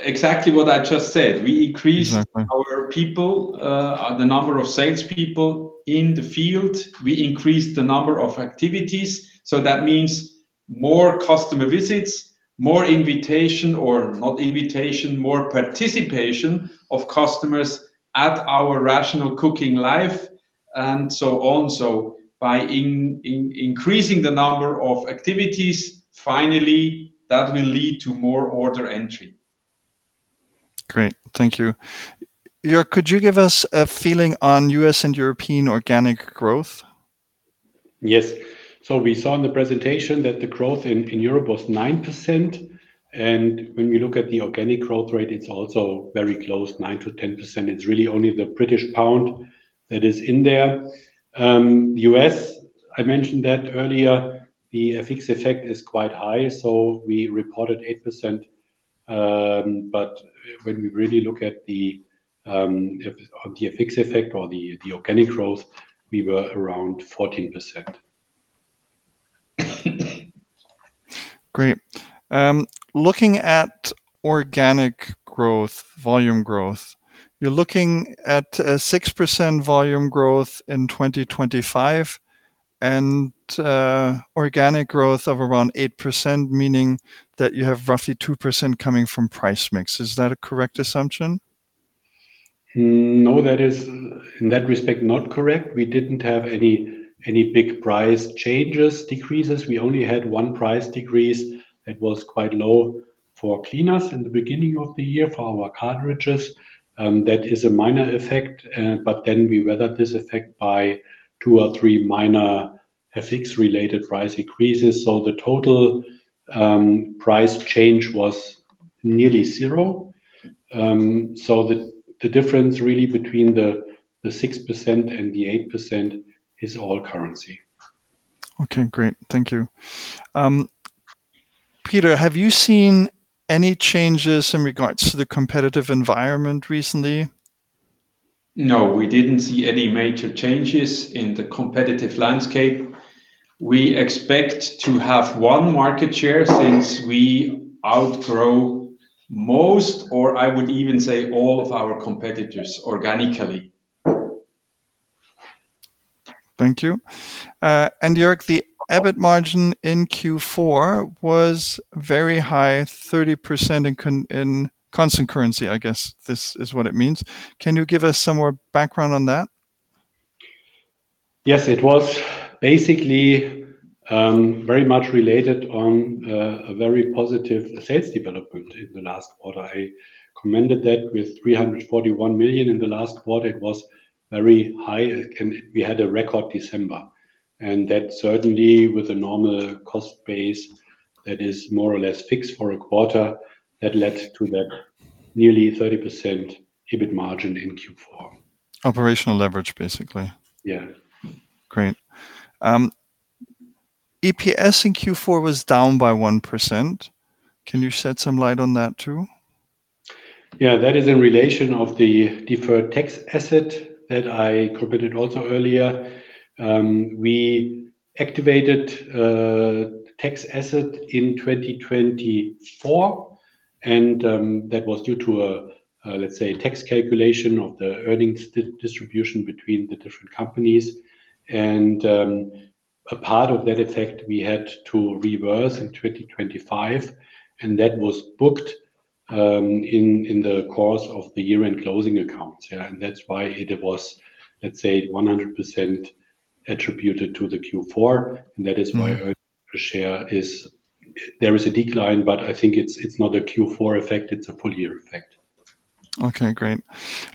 [SPEAKER 2] Exactly what I just said.
[SPEAKER 1] Exactly.
[SPEAKER 2] We increased our people, the number of salespeople in the field. We increased the number of activities, so that means more customer visits, more invitation or not invitation, more participation of customers at our RATIONAL Cooking Live and so on. By increasing the number of activities, finally that will lead to more order entry.
[SPEAKER 1] Great. Thank you. Jörg, could you give us a feeling on U.S. and European organic growth?
[SPEAKER 3] Yes. We saw in the presentation that the growth in Europe was 9%, and when we look at the organic growth rate, it's also very close, 9%-10%. It's really only the British pound that is in there. US, I mentioned that earlier. The FX effect is quite high, so we reported 8%. When we really look at the FX effect or the organic growth, we were around 14%.
[SPEAKER 1] Great. Looking at organic growth, volume growth, you're looking at a 6% volume growth in 2025 and organic growth of around 8%, meaning that you have roughly 2% coming from price mix. Is that a correct assumption?
[SPEAKER 3] No, that is in that respect not correct. We didn't have any big price changes, decreases. We only had 1 price decrease that was quite low for cleaners in the beginning of the year for our cartridges. That is a minor effect, but then we weathered this effect by 2 or 3 minor FX related price increases. The total price change was nearly zero. The difference really between the 6% and the 8% is all currency.
[SPEAKER 1] Okay, great. Thank you. Peter, have you seen any changes in regards to the competitive environment recently?
[SPEAKER 2] No, we didn't see any major changes in the competitive landscape. We expect to gain market share since we outgrow most, or I would even say all of our competitors organically.
[SPEAKER 1] Thank you. Jörg, the EBIT margin in Q4 was very high, 30% in constant currency, I guess this is what it means. Can you give us some more background on that?
[SPEAKER 3] Yes. It was basically very much related to a very positive sales development in the last quarter. I commented that with 341 million in the last quarter, it was very high and we had a record December. That certainly with a normal cost base that is more or less fixed for a quarter, that led to that nearly 30% EBIT margin in Q4.
[SPEAKER 1] Operational leverage, basically.
[SPEAKER 3] Yeah.
[SPEAKER 1] Great. EPS in Q4 was down by 1%. Can you shed some light on that too?
[SPEAKER 3] Yeah, that is in relation to the deferred tax asset that I also commented on earlier. We activated a tax asset in 2024, and that was due to a tax calculation of the earnings distribution between the different companies. A part of that effect, we had to reverse in 2025, and that was booked in the course of the year-end closing accounts. Yeah, that's why it was, let's say, 100% attributed to the Q4. That is why earnings per share is, there is a decline, but I think it's not a Q4 effect, it's a full year effect.
[SPEAKER 1] Okay, great.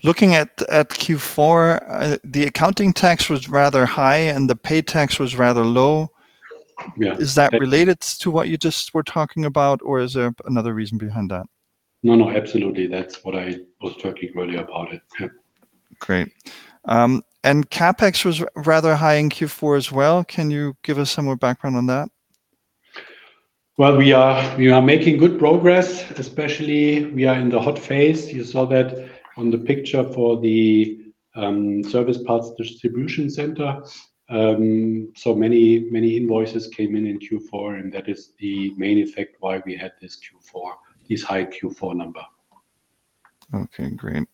[SPEAKER 1] Looking at Q4, the effective tax was rather high, and the cash tax was rather low.
[SPEAKER 3] Yeah.
[SPEAKER 1] Is that related to what you just were talking about, or is there another reason behind that?
[SPEAKER 3] No, no, absolutely. That's what I was talking earlier about it. Yeah.
[SPEAKER 1] Great. CapEx was rather high in Q4 as well. Can you give us some more background on that?
[SPEAKER 3] Well, we are making good progress, especially we are in the hot phase. You saw that on the picture for the service parts distribution center. Many invoices came in in Q4, and that is the main effect why we had this high Q4 number.
[SPEAKER 1] Okay, great.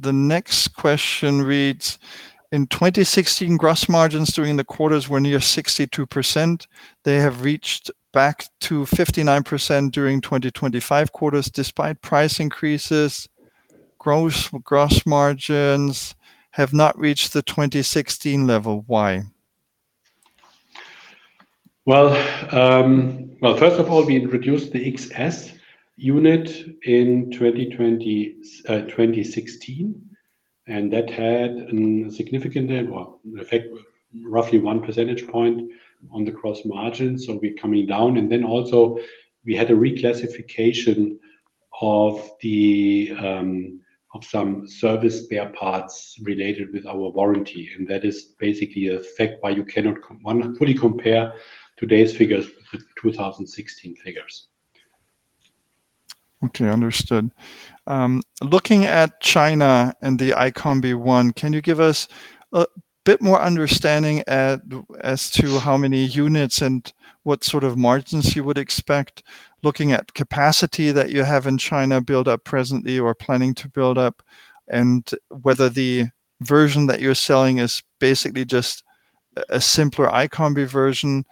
[SPEAKER 1] The next question reads, "In 2016, gross margins during the quarters were near 62%. They have reached back to 59% during 2025 quarters despite price increases. Gross margins have not reached the 2016 level. Why?
[SPEAKER 3] Well, first of all, we introduced the SelfCookingCenter XS in 2016, and that had a significant effect roughly 1 percentage point on the gross margin, so we're coming down. Also we had a reclassification of some service spare parts related with our warranty, and that is basically a fact why you cannot fully compare today's figures with 2016 figures.
[SPEAKER 1] Okay, understood. Looking at China and the iCombi One, can you give us a bit more understanding as to how many units and what sort of margins you would expect looking at capacity that you have in China built up presently or planning to build up? And whether the version that you're selling is basically just a simpler iCombi version,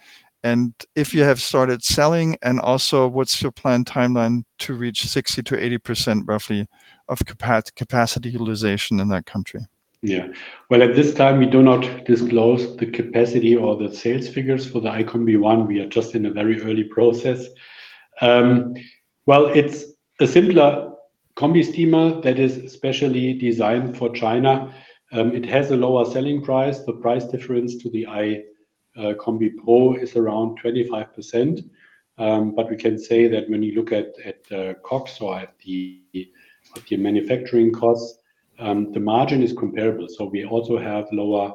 [SPEAKER 1] and if you have started selling. And also, what's your planned timeline to reach 60%-80% roughly of capacity utilization in that country?
[SPEAKER 3] Yeah. Well, at this time, we do not disclose the capacity or the sales figures for the iCombi One. We are just in a very early process. Well, it's a simpler combi steamer that is specially designed for China. It has a lower selling price. The price difference to the iCombi Pro is around 25%. We can say that when you look at the COGS or at the manufacturing costs, the margin is comparable. We also have lower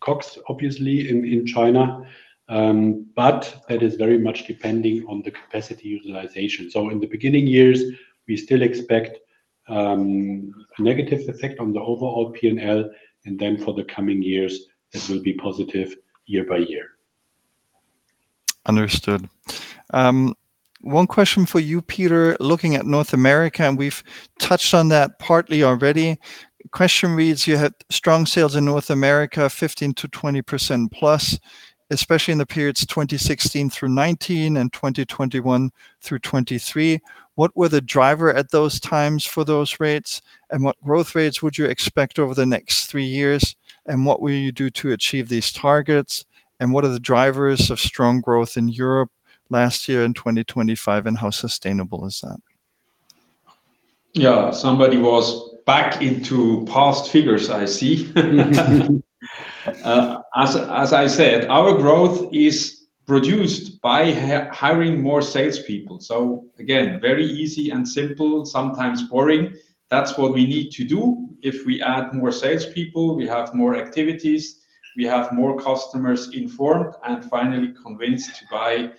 [SPEAKER 3] COGS obviously in China. That is very much depending on the capacity utilization. In the beginning years, we still expect a negative effect on the overall P&L, and then for the coming years, it will be positive year by year.
[SPEAKER 1] Understood. One question for you, Peter. Looking at North America, and we've touched on that partly already. Question reads: You had strong sales in North America, 15%-20%+, especially in the periods 2016-2019 and 2021-2023. What were the drivers at those times for those rates, and what growth rates would you expect over the next three years, and what will you do to achieve these targets? What are the drivers of strong growth in Europe last year in 2025, and how sustainable is that?
[SPEAKER 2] Yeah. Somebody was looking back into past figures, I see. As I said, our growth is produced by hiring more salespeople. Again, very easy and simple, sometimes boring. That's what we need to do. If we add more salespeople, we have more activities, we have more customers informed and finally convinced to buy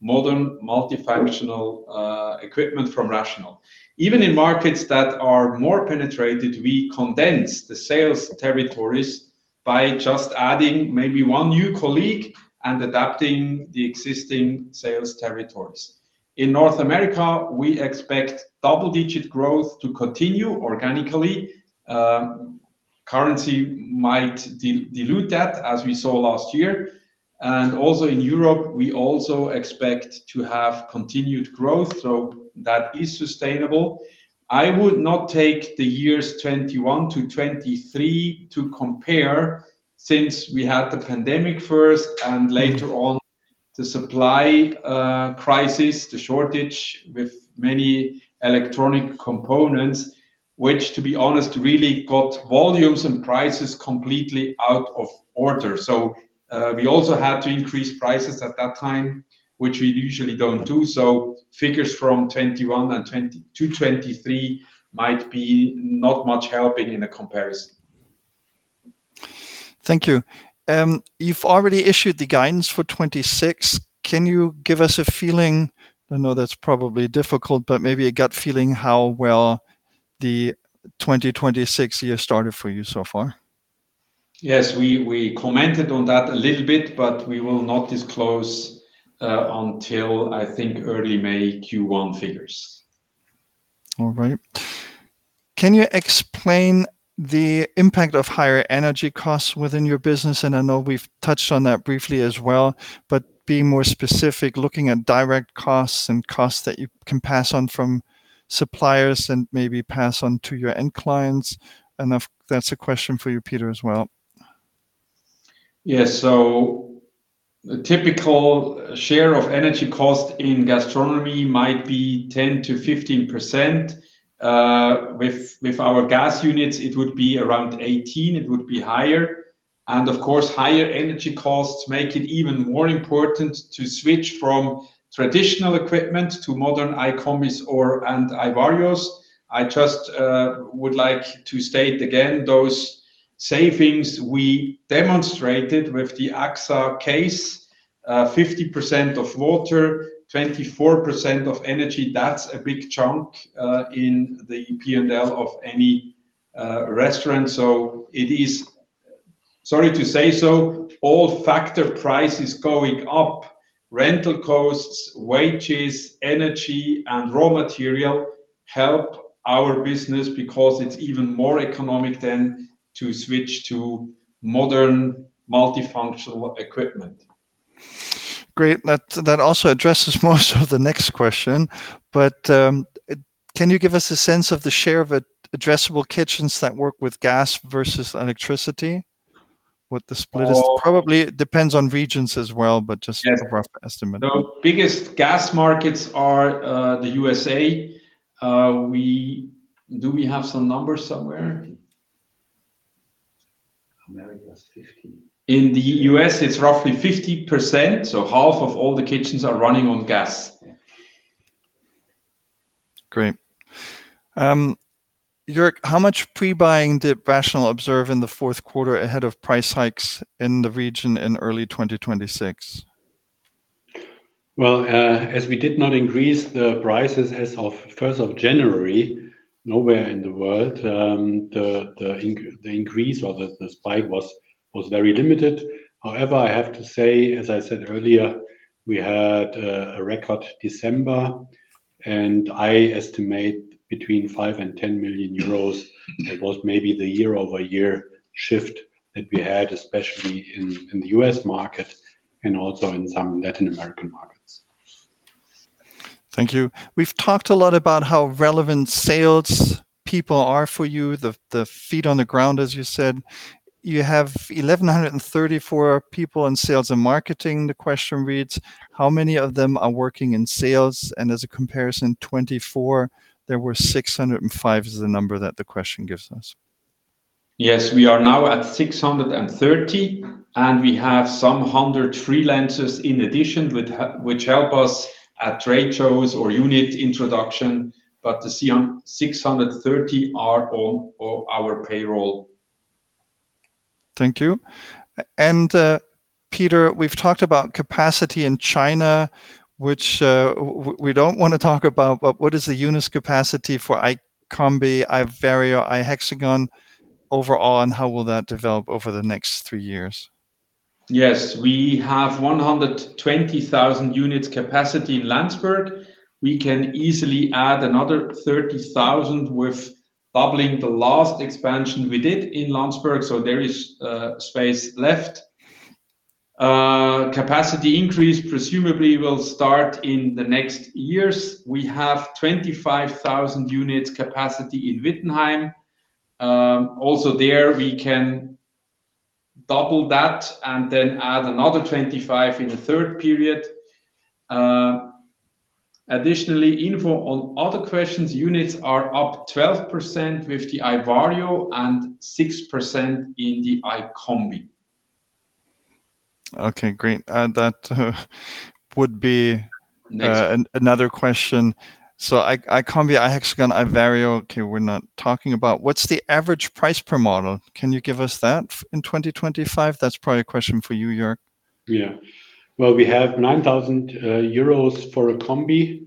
[SPEAKER 2] modern multifunctional equipment from RATIONAL. Even in markets that are more penetrated, we condense the sales territories by just adding maybe one new colleague and adapting the existing sales territories. In North America, we expect double-digit growth to continue organically. Currency might dilute that, as we saw last year. Also in Europe, we expect to have continued growth, so that is sustainable. I would not take the years 2021 to 2023 to compare since we had the pandemic first and later on the supply crisis, the shortage with many electronic components, which to be honest, really got volumes and prices completely out of order. We also had to increase prices at that time, which we usually don't do. Figures from 2021 and 2022 to 2023 might be not much helping in a comparison.
[SPEAKER 1] Thank you. You've already issued the guidance for 2026. Can you give us a feeling? I know that's probably difficult, but maybe a gut feeling how well the 2026 year started for you so far.
[SPEAKER 2] Yes. We commented on that a little bit, but we will not disclose until, I think, early May Q1 figures.
[SPEAKER 1] All right. Can you explain the impact of higher energy costs within your business? I know we've touched on that briefly as well, but being more specific, looking at direct costs and costs that you can pass on from suppliers and maybe pass on to your end clients. If that's a question for you, Peter, as well.
[SPEAKER 2] Yes. The typical share of energy cost in gastronomy might be 10%-15%. With our gas units, it would be around 18%, it would be higher. Of course, higher energy costs make it even more important to switch from traditional equipment to modern iCombis or iVarios. I just would like to state again those savings we demonstrated with the AXA case, 50% of water, 24% of energy, that's a big chunk in the P&L of any restaurant. It is, sorry to say so, all factor prices going up. Rental costs, wages, energy, and raw material help our business because it's even more economic than to switch to modern multifunctional equipment.
[SPEAKER 1] Great. That also addresses most of the next question, but can you give us a sense of the share of addressable kitchens that work with gas versus electricity? What the split is?
[SPEAKER 2] Oh.
[SPEAKER 1] Probably it depends on regions as well, but just.
[SPEAKER 2] Yes
[SPEAKER 1] As a rough estimate.
[SPEAKER 2] The biggest gas markets are the USA. Do we have some numbers somewhere?
[SPEAKER 3] America is 50.
[SPEAKER 2] In the U.S., it's roughly 50%, so half of all the kitchens are running on gas.
[SPEAKER 1] Great. Jörg, how much pre-buying did RATIONAL observe in the fourth quarter ahead of price hikes in the region in early 2026?
[SPEAKER 3] Well, as we did not increase the prices as of 1st of January, nowhere in the world, the increase or the spike was very limited. However, I have to say, as I said earlier, we had a record December, and I estimate between 5 million and 10 million euros. That was maybe the year-over-year shift that we had, especially in the U.S. market and also in some Latin American markets.
[SPEAKER 1] Thank you. We've talked a lot about how relevant sales people are for you, the feet on the ground, as you said. You have 1,134 people in sales and marketing, the question reads, how many of them are working in sales? As a comparison, 2024, there were 605 is the number that the question gives us.
[SPEAKER 2] Yes, we are now at 630, and we have some hundred freelancers in addition with which help us at trade shows or unit introduction. The 630 are on our payroll.
[SPEAKER 1] Thank you. Peter, we've talked about capacity in China, which we don't wanna talk about, but what is the units capacity for iCombi, iVario, iHexagon overall, and how will that develop over the next three years?
[SPEAKER 2] Yes, we have 120,000 units capacity in Landsberg. We can easily add another 30,000 with doubling the last expansion we did in Landsberg, so there is space left. Capacity increase presumably will start in the next years. We have 25,000 units capacity in Wittenheim. Also there we can double that and then add another 25,000 in the third period. Additionally, info on other questions, units are up 12% with the iVario and 6% in the iCombi.
[SPEAKER 1] Okay, great. That would be.
[SPEAKER 2] Next
[SPEAKER 1] Another question. iCombi, iHexagon, iVario, okay, we're not talking about. What's the average price per model? Can you give us that in 2025? That's probably a question for you, Jörg.
[SPEAKER 3] Yeah. Well, we have 9,000 euros for a Combi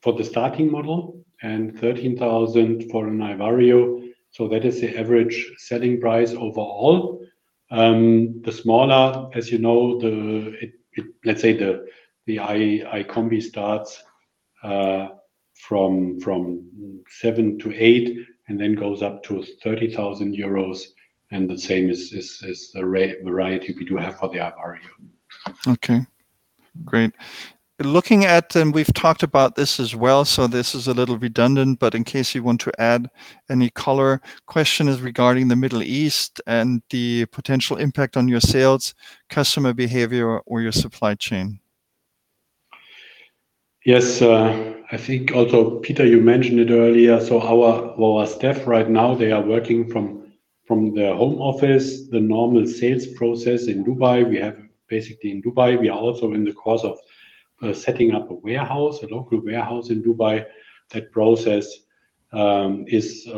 [SPEAKER 3] for the starting model and 13,000 for an iVario, so that is the average selling price overall. The smaller, as you know, let's say the iCombi starts from 7,000-8,000 and then goes up to 30,000 euros, and the same is the variety we do have for the iVario.
[SPEAKER 1] Okay, great. Looking at, and we've talked about this as well, so this is a little redundant, but in case you want to add any color. Question is regarding the Middle East and the potential impact on your sales, customer behavior, or your supply chain.
[SPEAKER 3] Yes. I think also, Peter, you mentioned it earlier. Our staff right now, they are working from their home office. The normal sales process in Dubai, basically in Dubai, we are also in the course of setting up a warehouse, a local warehouse in Dubai. That process is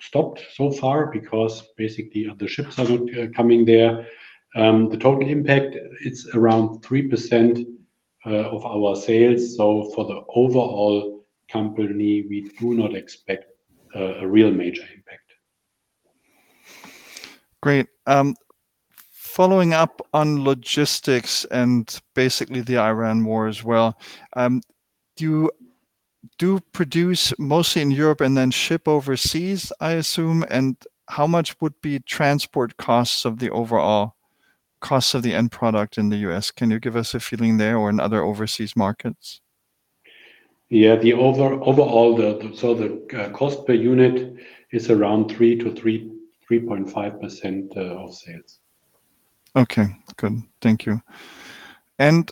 [SPEAKER 3] stopped so far because basically, the ships are not coming there. The total impact, it's around 3% of our sales. For the overall company, we do not expect a real major impact.
[SPEAKER 1] Great. Following up on logistics and basically the Iran war as well, you do produce mostly in Europe and then ship overseas, I assume? How much would be transport costs of the overall costs of the end product in the US? Can you give us a feeling there or in other overseas markets?
[SPEAKER 3] The overall, so the cost per unit is around 3%-3.5% of sales.
[SPEAKER 1] Okay, good. Thank you.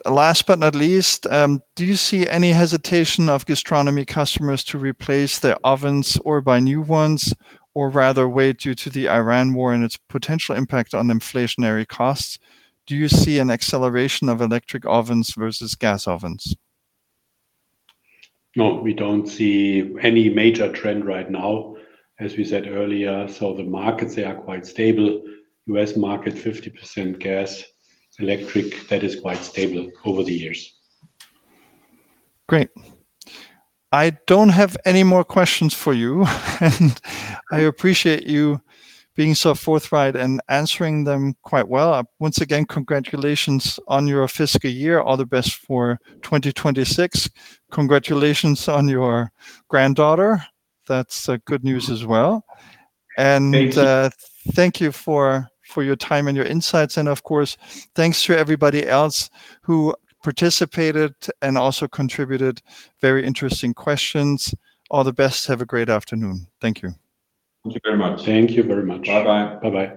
[SPEAKER 1] Last but not least, do you see any hesitation of gastronomy customers to replace their ovens or buy new ones, or rather wait due to the Iran war and its potential impact on inflationary costs? Do you see an acceleration of electric ovens versus gas ovens?
[SPEAKER 3] No, we don't see any major trend right now. As we said earlier, the markets, they are quite stable. U.S. market, 50% gas, electric, that is quite stable over the years.
[SPEAKER 1] Great. I don't have any more questions for you, and I appreciate you being so forthright and answering them quite well. Once again, congratulations on your fiscal year. All the best for 2026. Congratulations on your granddaughter. That's good news as well.
[SPEAKER 2] Thank you.
[SPEAKER 1] Thank you for your time and your insights. Of course, thanks to everybody else who participated and also contributed very interesting questions. All the best. Have a great afternoon. Thank you.
[SPEAKER 2] Thank you very much.
[SPEAKER 3] Thank you very much.
[SPEAKER 2] Bye-bye.
[SPEAKER 1] Bye-bye.